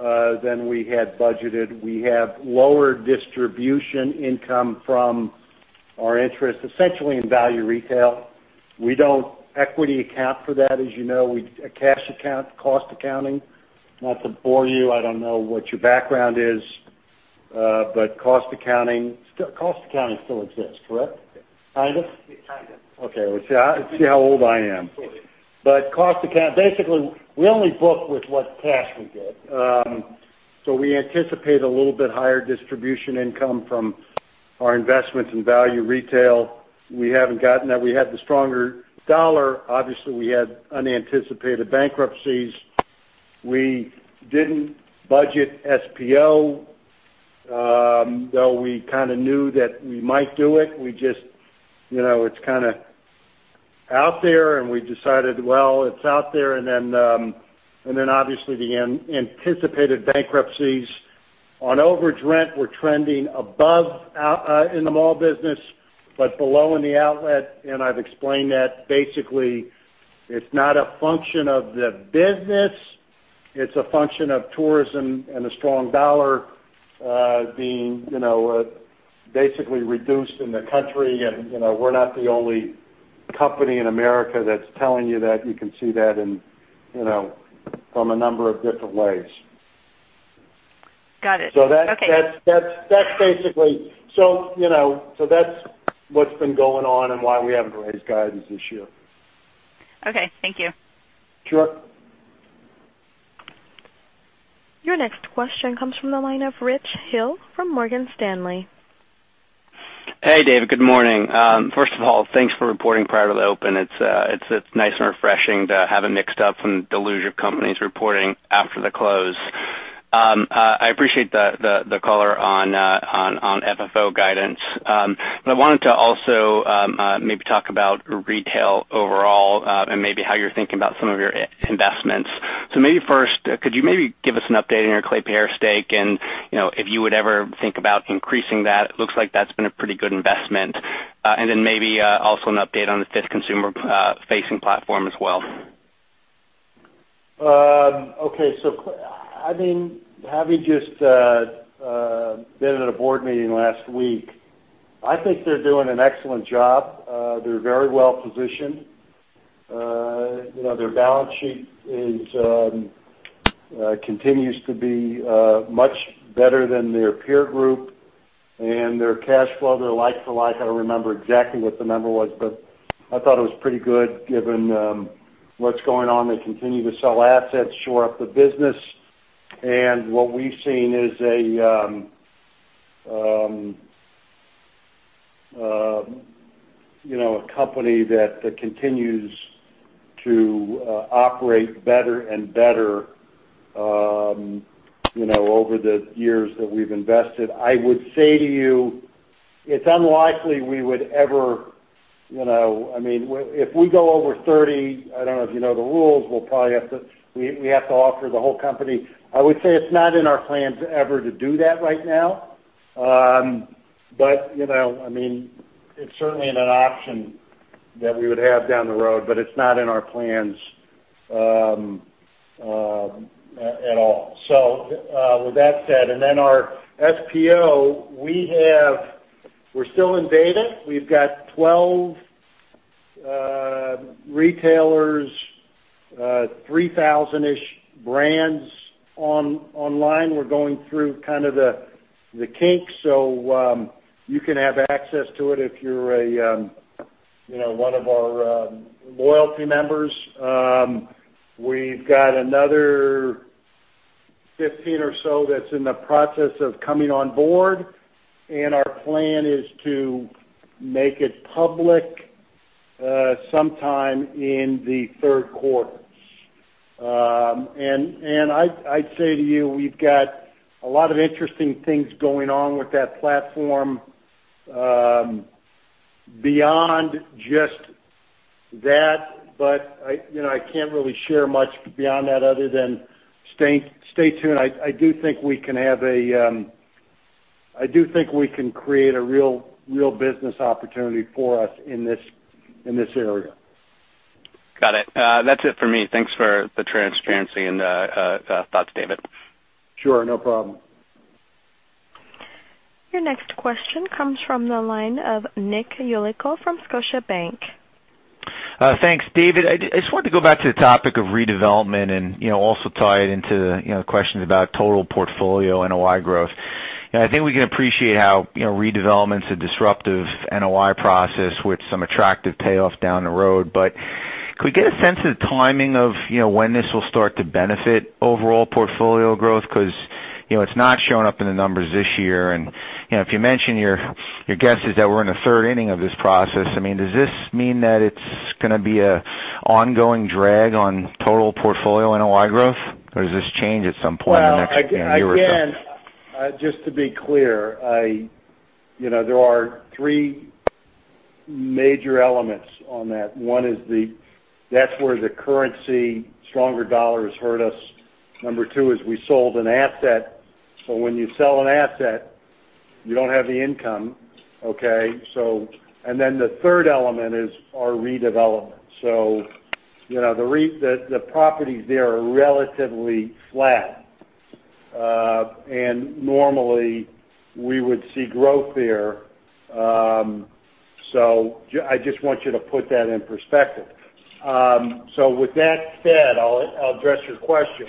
than we had budgeted. We have lower distribution income from our interest, essentially in Value Retail. We don't equity account for that, as you know, a cash account, cost accounting. Not to bore you, I don't know what your background is. Cost accounting still exists, correct? Yes. Kind of? Kind of. Okay. See how old I am. Totally. Cost account, basically, we only book with what cash we get. We anticipate a little bit higher distribution income from our investments in Value Retail. We haven't gotten that. We had the stronger dollar. Obviously, we had unanticipated bankruptcies. We didn't budget SPO, though we kind of knew that we might do it. It's kind of out there, and we decided, well, it's out there, and then obviously the anticipated bankruptcies. On overage rent, we're trending above in the mall business, but below in the outlet, and I've explained that. Basically, it's not a function of the business, it's a function of tourism and a strong dollar being basically reduced in the country, and we're not the only company in America that's telling you that. You can see that from a number of different ways. Got it. Okay. That's what's been going on and why we haven't raised guidance this year. Okay. Thank you. Sure. Your next question comes from the line of Rich Hill from Morgan Stanley. Hey, David. Good morning. First of all, thanks for reporting prior to the open. It's nice and refreshing to have it mixed up from the deluge of companies reporting after the close. I appreciate the color on FFO guidance. I wanted to also maybe talk about retail overall, and maybe how you're thinking about some of your investments. Maybe first, could you maybe give us an update on your Klépierre stake and if you would ever think about increasing that? It looks like that's been a pretty good investment. Maybe also an update on the fifth consumer-facing platform as well. Okay. Having just been at a board meeting last week, I think they're doing an excellent job. They're very well-positioned. Their balance sheet continues to be much better than their peer group, and their cash flow, their like-for-like, I don't remember exactly what the number was, but I thought it was pretty good given what's going on. They continue to sell assets, shore up the business. What we've seen is a company that continues to operate better and better over the years that we've invested. I would say to you, it's unlikely we would ever if we go over 30, I don't know if you know the rules, we have to offer the whole company. I would say it's not in our plans ever to do that right now. It's certainly an option that we would have down the road, but it's not in our plans at all. With that said, our SPO, we're still in beta. We've got 12 retailers, 3,000-ish brands online. We're going through kind of the kinks. You can have access to it if you're one of our loyalty members. We've got another 15 or so that's in the process of coming on board, our plan is to make it public sometime in the third quarter. I'd say to you, we've got a lot of interesting things going on with that platform beyond just that, but I can't really share much beyond that other than stay tuned. I do think we can create a real business opportunity for us in this area. Got it. That's it for me. Thanks for the transparency and the thoughts, David. Sure. No problem. Your next question comes from the line of Nick Yulico from Scotiabank. Thanks, David. I just wanted to go back to the topic of redevelopment and also tie it into questions about total portfolio NOI growth. I think we can appreciate how redevelopment's a disruptive NOI process with some attractive payoff down the road. Could we get a sense of the timing of when this will start to benefit overall portfolio growth? It's not showing up in the numbers this year. If you mention your guess is that we're in the third inning of this process. Does this mean that it's going to be an ongoing drag on total portfolio NOI growth? Does this change at some point in the next year or so? Well, again, just to be clear, there are three major elements on that. One is, that's where the currency stronger dollar has hurt us. Number two is we sold an asset. When you sell an asset, you don't have the income, okay. The third element is our redevelopment. The properties there are relatively flat. Normally we would see growth there. I just want you to put that in perspective. With that said, I'll address your question.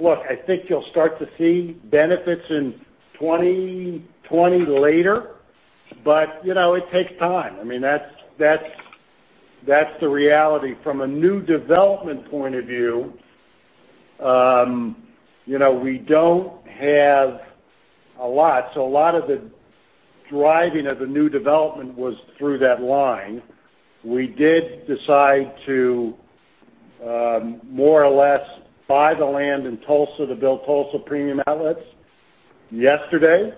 Look, I think you'll start to see benefits in 2020 later, it takes time. That's the reality. From a new development point of view, we don't have a lot. A lot of the driving of the new development was through that line. We did decide to more or less buy the land in Tulsa to build Tulsa Premium Outlets yesterday,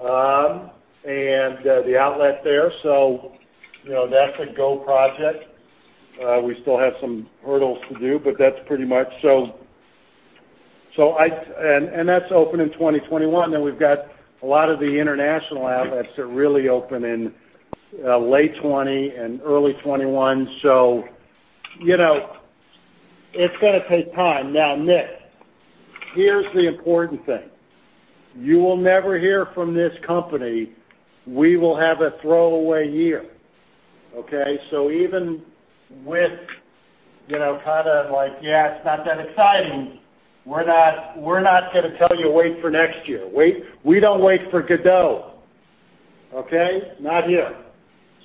and the outlet there. That's a go project. We still have some hurdles to do but that's pretty much. That's open in 2021. We've got a lot of the international outlets that really open in late 2020 and early 2021. It's going to take time. Nick, here's the important thing. You will never hear from this company, we will have a throwaway year. Okay. Even with kind of like, yeah, it's not that exciting. We're not going to tell you wait for next year. We don't wait for Godot. Okay. Not here.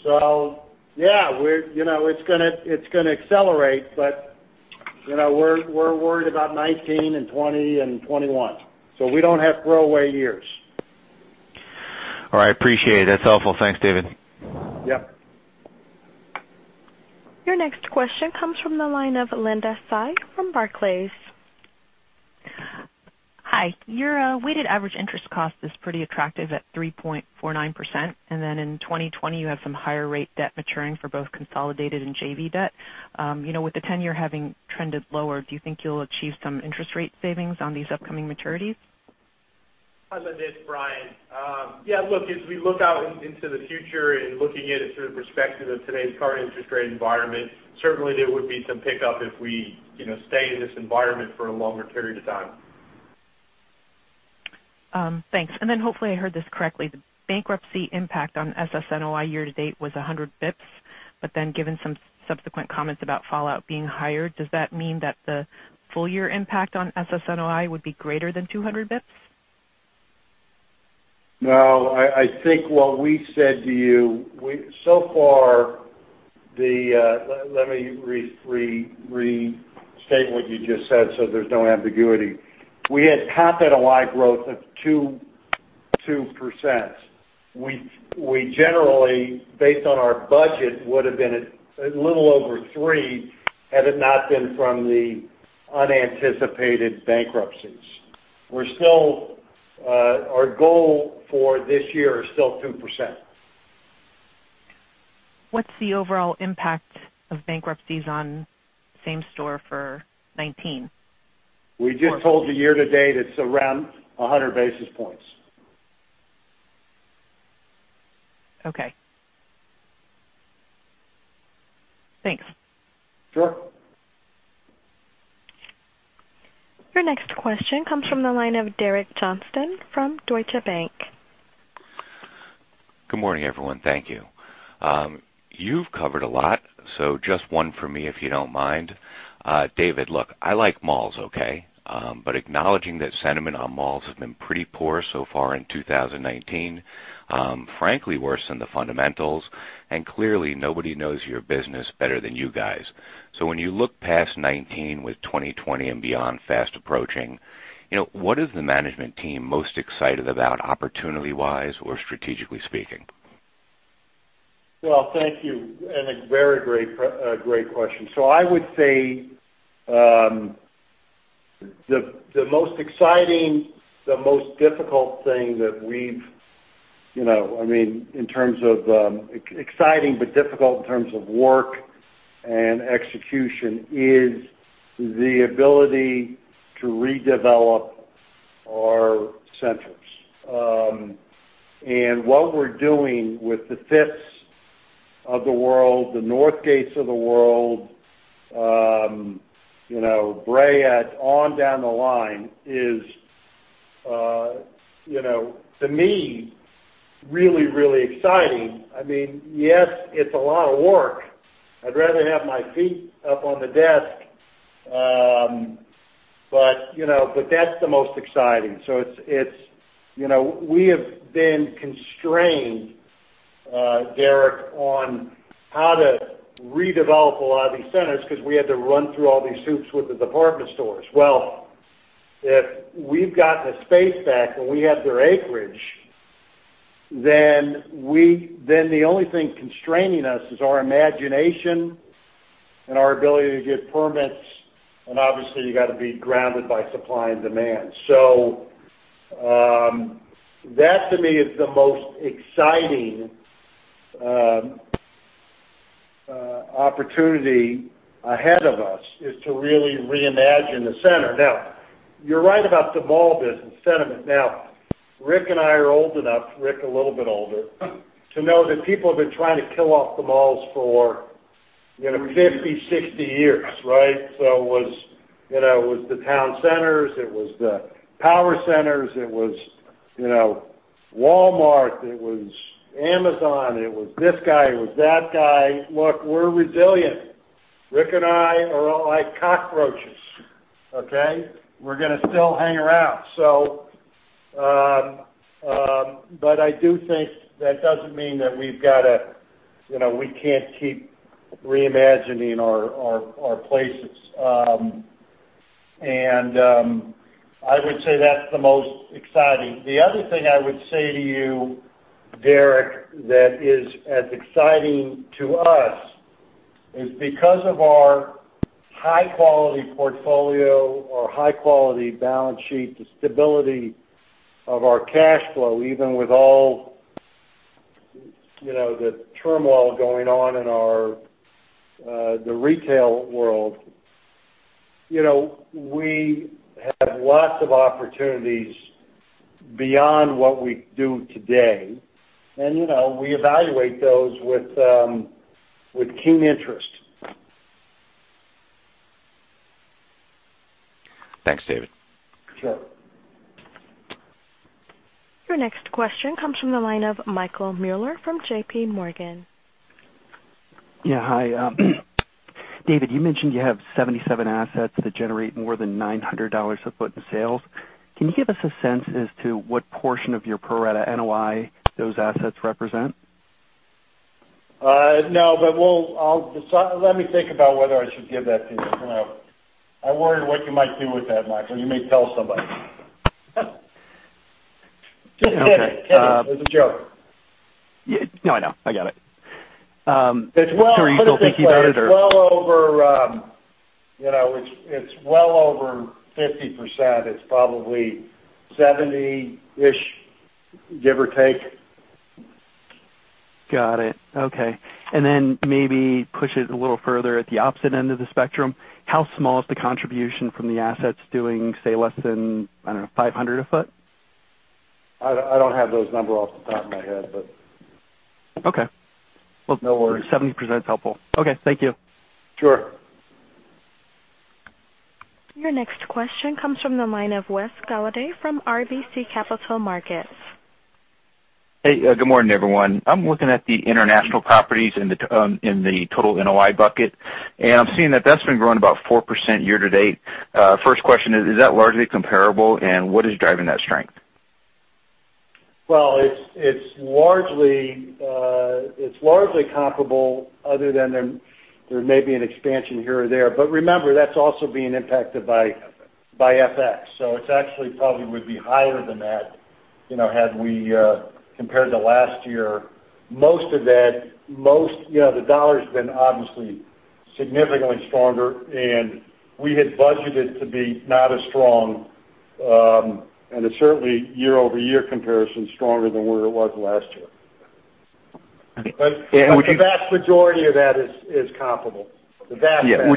Yeah, it's going to accelerate but we're worried about 2019 and 2020 and 2021. We don't have throwaway years. All right, appreciate it. That's helpful. Thanks, David. Your next question comes from the line of Linda Tsai from Barclays. Hi. Your weighted average interest cost is pretty attractive at 3.49%. In 2020 you have some higher rate debt maturing for both consolidated and JV debt. With the 10-year having trended lower, do you think you'll achieve some interest rate savings on these upcoming maturities? Hi, Linda. It's Brian. Yeah, look, as we look out into the future and looking at it through the perspective of today's current interest rate environment, certainly there would be some pickup if we stay in this environment for a longer period of time. Thanks. Hopefully I heard this correctly, the bankruptcy impact on SSNOI year to date was 100 basis points, but then given some subsequent comments about fallout being higher, does that mean that the full year impact on SSNOI would be greater than 200 basis points? I think what we said to you, so far, let me restate what you just said so there's no ambiguity. We had comp NOI growth of 2%. We generally, based on our budget, would've been at a little over 3% had it not been from the unanticipated bankruptcies. Our goal for this year is still 2%. What's the overall impact of bankruptcies on same-store for 2019? We just told you year to date, it's around 100 basis points. Okay. Thanks. Sure. Your next question comes from the line of Derek Johnston from Deutsche Bank. Good morning, everyone. Thank you. You've covered a lot, just one for me if you don't mind. David, look, I like malls, okay? Acknowledging that sentiment on malls has been pretty poor so far in 2019. Frankly, worse than the fundamentals, clearly nobody knows your business better than you guys. When you look past 2019 with 2020 and beyond fast approaching, what is the management team most excited about opportunity-wise or strategically speaking? Well, thank you, a very great question. I would say the most exciting, the most difficult thing that we've, in terms of exciting but difficult in terms of work and execution, is the ability to redevelop our centers. What we're doing with the Phipps of the world, the Northgate of the world, Brea at, on down the line is, to me, really, really exciting. Yes, it's a lot of work. I'd rather have my feet up on the desk. That's the most exciting. We have been constrained, Derek, on how to redevelop a lot of these centers because we had to run through all these hoops with the department stores. Well, if we've gotten the space back, and we have their acreage, then the only thing constraining us is our imagination and our ability to get permits, and obviously, you got to be grounded by supply and demand. That to me is the most exciting opportunity ahead of us, is to really reimagine the center. You're right about the mall business sentiment. Rick and I are old enough, Rick a little bit older, to know that people have been trying to kill off the malls for 50, 60 years, right? It was the town centers, it was the power centers, it was Walmart, it was Amazon, it was this guy, it was that guy. Look, we're resilient. Rick and I are like cockroaches, okay? We're going to still hang around. I do think that doesn't mean that we can't keep reimagining our places. I would say that's the most exciting. The other thing I would say to you, Derek, that is as exciting to us, is because of our high-quality portfolio or high-quality balance sheet, the stability of our cash flow, even with all the turmoil going on in the retail world. We have lots of opportunities beyond what we do today, and we evaluate those with keen interest. Thanks, David. Sure. Your next question comes from the line of Michael Mueller from J.P. Morgan. Yeah, hi. David, you mentioned you have 77 assets that generate more than $900 a foot in sales. Can you give us a sense as to what portion of your pro rata NOI those assets represent? No, but let me think about whether I should give that to you. I wonder what you might do with that, Michael. You may tell somebody. Just kidding. It was a joke. No, I know. I get it. It's well- Are you still thinking about it, or It's well over 50%. It's probably 70-ish, give or take. Got it. Okay. Then maybe push it a little further at the opposite end of the spectrum, how small is the contribution from the assets doing, say, less than, I don't know, $500 a foot? I don't have those numbers off the top of my head. Okay No worries. 70% is helpful. Okay. Thank you. Sure. Your next question comes from the line of Wes Golladay from RBC Capital Markets. Hey, good morning, everyone. I'm looking at the international properties in the total NOI bucket, and I'm seeing that that's been growing about 4% year to date. First question, is that largely comparable, and what is driving that strength? Well, it's largely comparable other than there may be an expansion here or there. Remember, that's also being impacted by FX. It's actually probably would be higher than that, compared to last year. Most of that, the dollar's been obviously significantly stronger, and we had budgeted to be not as strong, and it's certainly year-over-year comparison stronger than where it was last year. Okay. The vast majority of that is comparable. Yeah.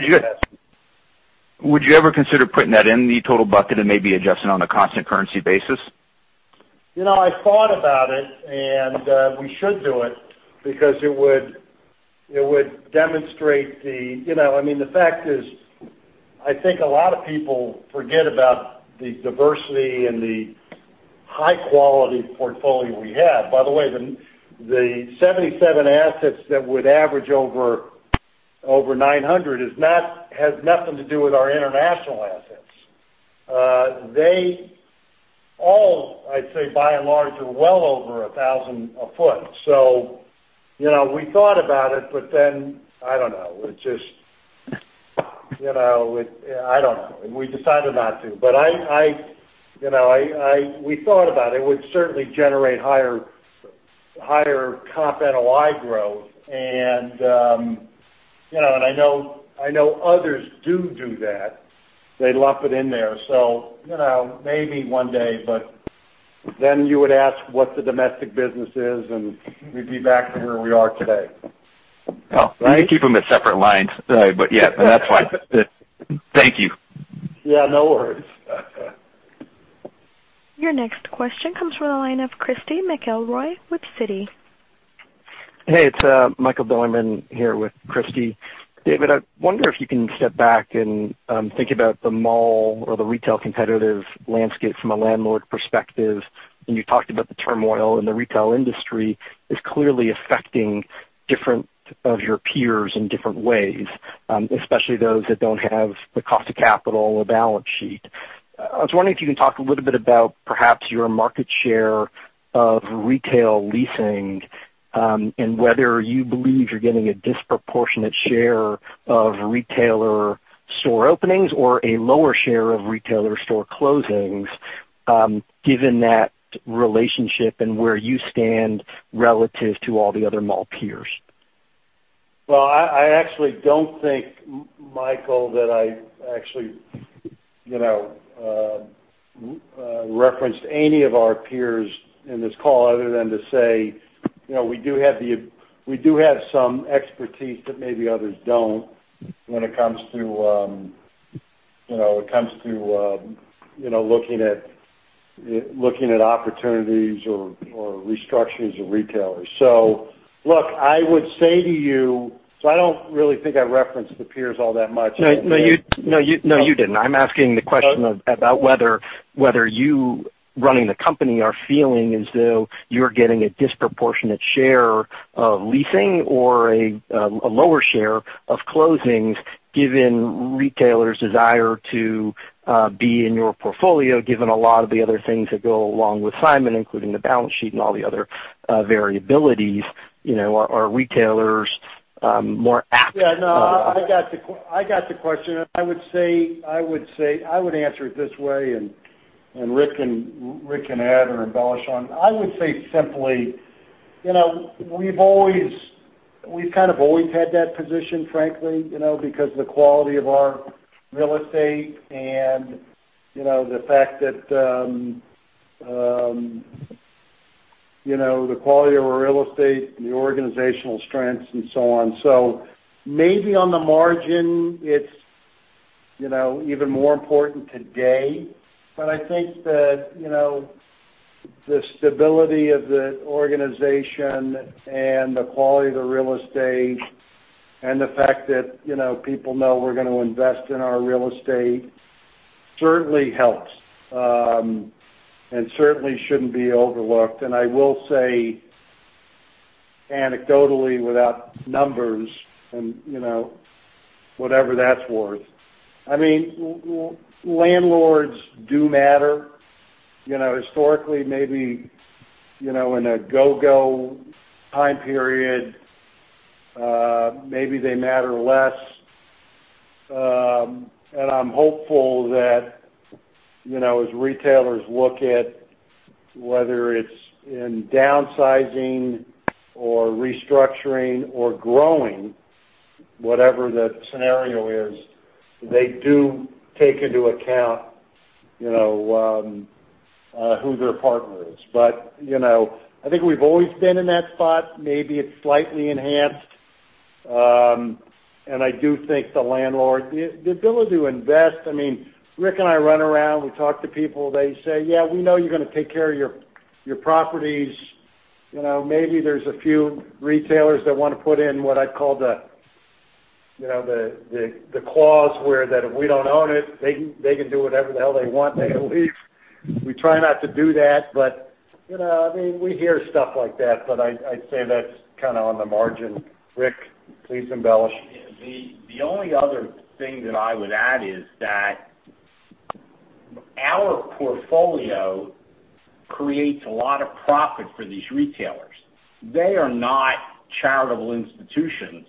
Would you ever consider putting that in the total bucket and maybe adjusting on a constant currency basis? I thought about it, and we should do it because it would demonstrate the. The fact is, I think a lot of people forget about the diversity and the high-quality portfolio we have. By the way, the 77 assets that would average over 900 has nothing to do with our international assets. They all, I'd say, by and large, are well over 1,000 a foot. We thought about it, but then, I don't know. I don't know. We decided not to. We thought about it. It would certainly generate higher comp NOI growth. I know others do do that. They lump it in there. Maybe one day, but then you would ask what the domestic business is, and we'd be back to where we are today. Oh. Right? You can keep them as separate lines. Sorry, yeah. No, that's fine. Thank you. Yeah, no worries. Your next question comes from the line of Christy McElroy with Citi. Hey, it's Michael Bilerman here with Christy. David, I wonder if you can step back and think about the mall or the retail competitive landscape from a landlord perspective. When you talked about the turmoil in the retail industry, it's clearly affecting different of your peers in different ways, especially those that don't have the cost of capital or balance sheet. I was wondering if you can talk a little bit about perhaps your market share of retail leasing, and whether you believe you're getting a disproportionate share of retailer store openings or a lower share of retailer store closings, given that relationship and where you stand relative to all the other mall peers. I actually don't think, Michael, that I actually referenced any of our peers in this call other than to say, we do have some expertise that maybe others don't when it comes to looking at opportunities or restructurings of retailers. Look, I would say to you. I don't really think I referenced the peers all that much. No, you didn't. I'm asking the question about whether you, running the company, are feeling as though you're getting a disproportionate share of leasing or a lower share of closings given retailers' desire to be in your portfolio, given a lot of the other things that go along with Simon, including the balance sheet and all the other variabilities. Are retailers more apt- Yeah, no, I got the question, and I would answer it this way, and Rick can add or embellish on. I would say simply, we've kind of always had that position, frankly, because of the quality of our real estate and the organizational strengths and so on. Maybe on the margin, it's even more important today. I think that the stability of the organization and the quality of the real estate and the fact that people know we're going to invest in our real estate certainly helps and certainly shouldn't be overlooked. I will say anecdotally, without numbers and whatever that's worth. Landlords do matter. Historically, maybe in a go-go time period, maybe they matter less. I'm hopeful that as retailers look at whether it's in downsizing or restructuring or growing, whatever the scenario is, they do take into account who their partner is. I think we've always been in that spot. Maybe it's slightly enhanced. I do think the landlord-- the ability to invest, Rick and I run around, we talk to people, they say, "Yeah, we know you're going to take care of your properties." Maybe there's a few retailers that want to put in what I'd call the clause where that if we don't own it, they can do whatever the hell they want. They can leave. We try not to do that. We hear stuff like that, but I'd say that's kind of on the margin. Rick, please embellish. The only other thing that I would add is that our portfolio creates a lot of profit for these retailers. They are not charitable institutions.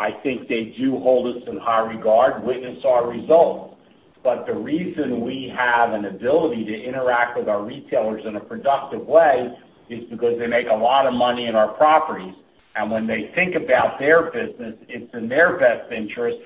I think they do hold us in high regard, witness our results. The reason we have an ability to interact with our retailers in a productive way is because they make a lot of money in our properties. When they think about their business, it's in their best interest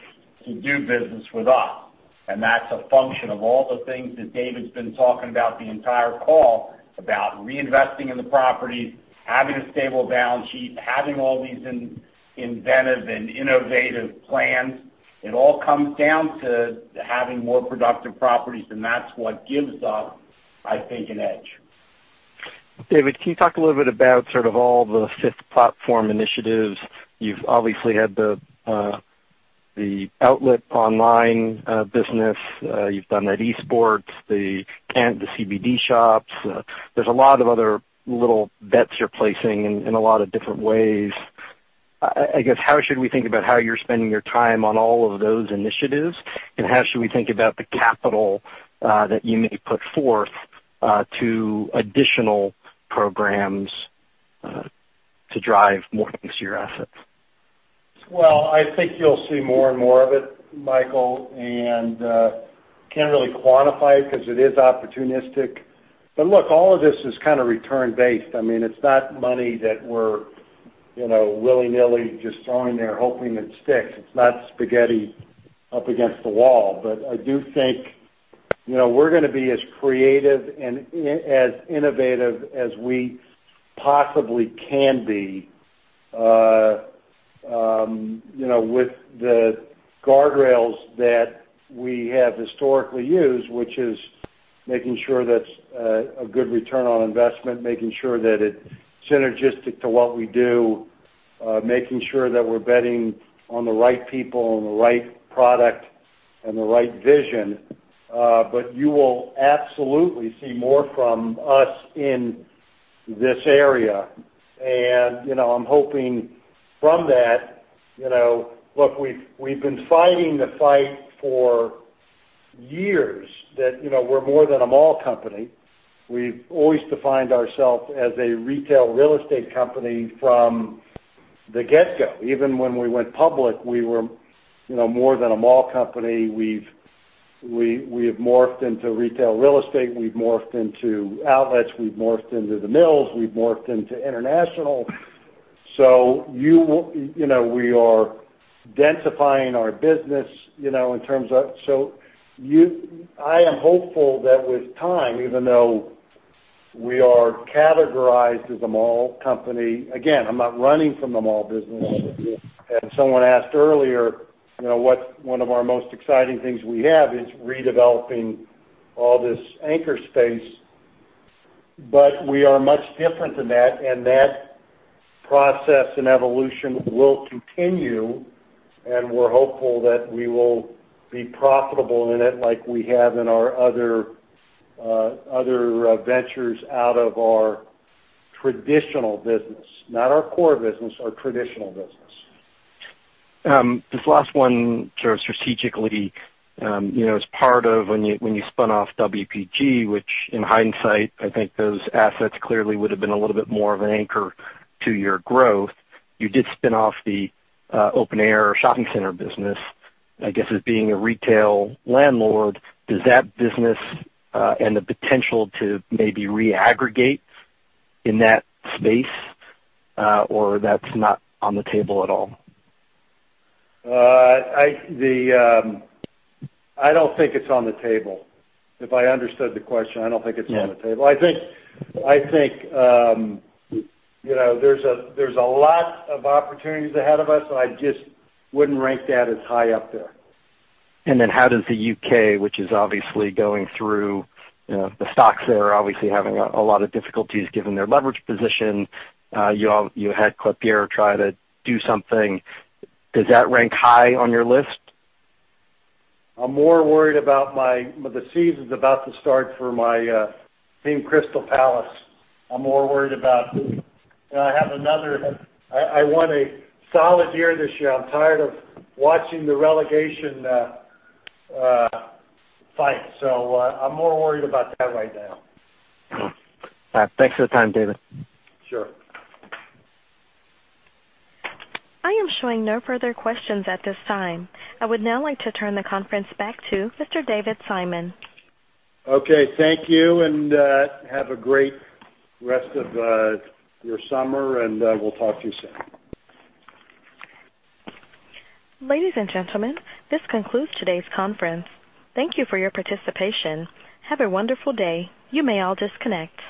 to do business with us. That's a function of all the things that David's been talking about the entire call, about reinvesting in the properties, having a stable balance sheet, having all these inventive and innovative plans. It all comes down to having more productive properties, and that's what gives us, I think, an edge. David, can you talk a little bit about sort of all the fifth platform initiatives? You've obviously had the outlet online business. You've done that esports, the CBD shops. There's a lot of other little bets you're placing in a lot of different ways. I guess, how should we think about how you're spending your time on all of those initiatives, and how should we think about the capital that you may put forth to additional programs to drive more things to your assets? Well, I think you'll see more and more of it, Michael, and can't really quantify it because it is opportunistic. Look, all of this is kind of return based. It's not money that we're willy-nilly just throwing there hoping it sticks. It's not spaghetti up against the wall. I do think we're going to be as creative and as innovative as we possibly can be with the guardrails that we have historically used, which is making sure that's a good return on investment, making sure that it's synergistic to what we do, making sure that we're betting on the right people and the right product and the right vision. You will absolutely see more from us in this area. I'm hoping from that look, we've been fighting the fight for years that we're more than a mall company. We've always defined ourself as a retail real estate company from the get-go. Even when we went public, we were more than a mall company. We have morphed into retail real estate, we've morphed into outlets, we've morphed into The Mills, we've morphed into international. We are densifying our business. I am hopeful that with time, even though we are categorized as a mall company, again, I'm not running from the mall business. Someone asked earlier, what one of our most exciting things we have is redeveloping all this anchor space. We are much different than that, and that process and evolution will continue, and we're hopeful that we will be profitable in it like we have in our other ventures out of our traditional business. Not our core business, our traditional business. This last one sort of strategically, as part of when you spun off WPG, which in hindsight, I think those assets clearly would've been a little bit more of an anchor to your growth. You did spin off the open-air shopping center business. I guess as being a retail landlord, does that business and the potential to maybe reaggregate in that space, or that's not on the table at all? I don't think it's on the table. If I understood the question, I don't think it's on the table. Yeah. I think there's a lot of opportunities ahead of us. I just wouldn't rank that as high up there. How does the U.K., which is obviously going through, the stocks there are obviously having a lot of difficulties given their leverage position. You had Klépierre try to do something. Does that rank high on your list? I'm more worried about the season's about to start for my team, Crystal Palace. I'm more worried about I want a solid year this year. I'm tired of watching the relegation fight. I'm more worried about that right now. All right. Thanks for the time, David. Sure. I am showing no further questions at this time. I would now like to turn the conference back to Mr. David Simon. Okay. Thank you, and have a great rest of your summer, and we'll talk to you soon. Ladies and gentlemen, this concludes today's conference. Thank you for your participation. Have a wonderful day. You may all disconnect.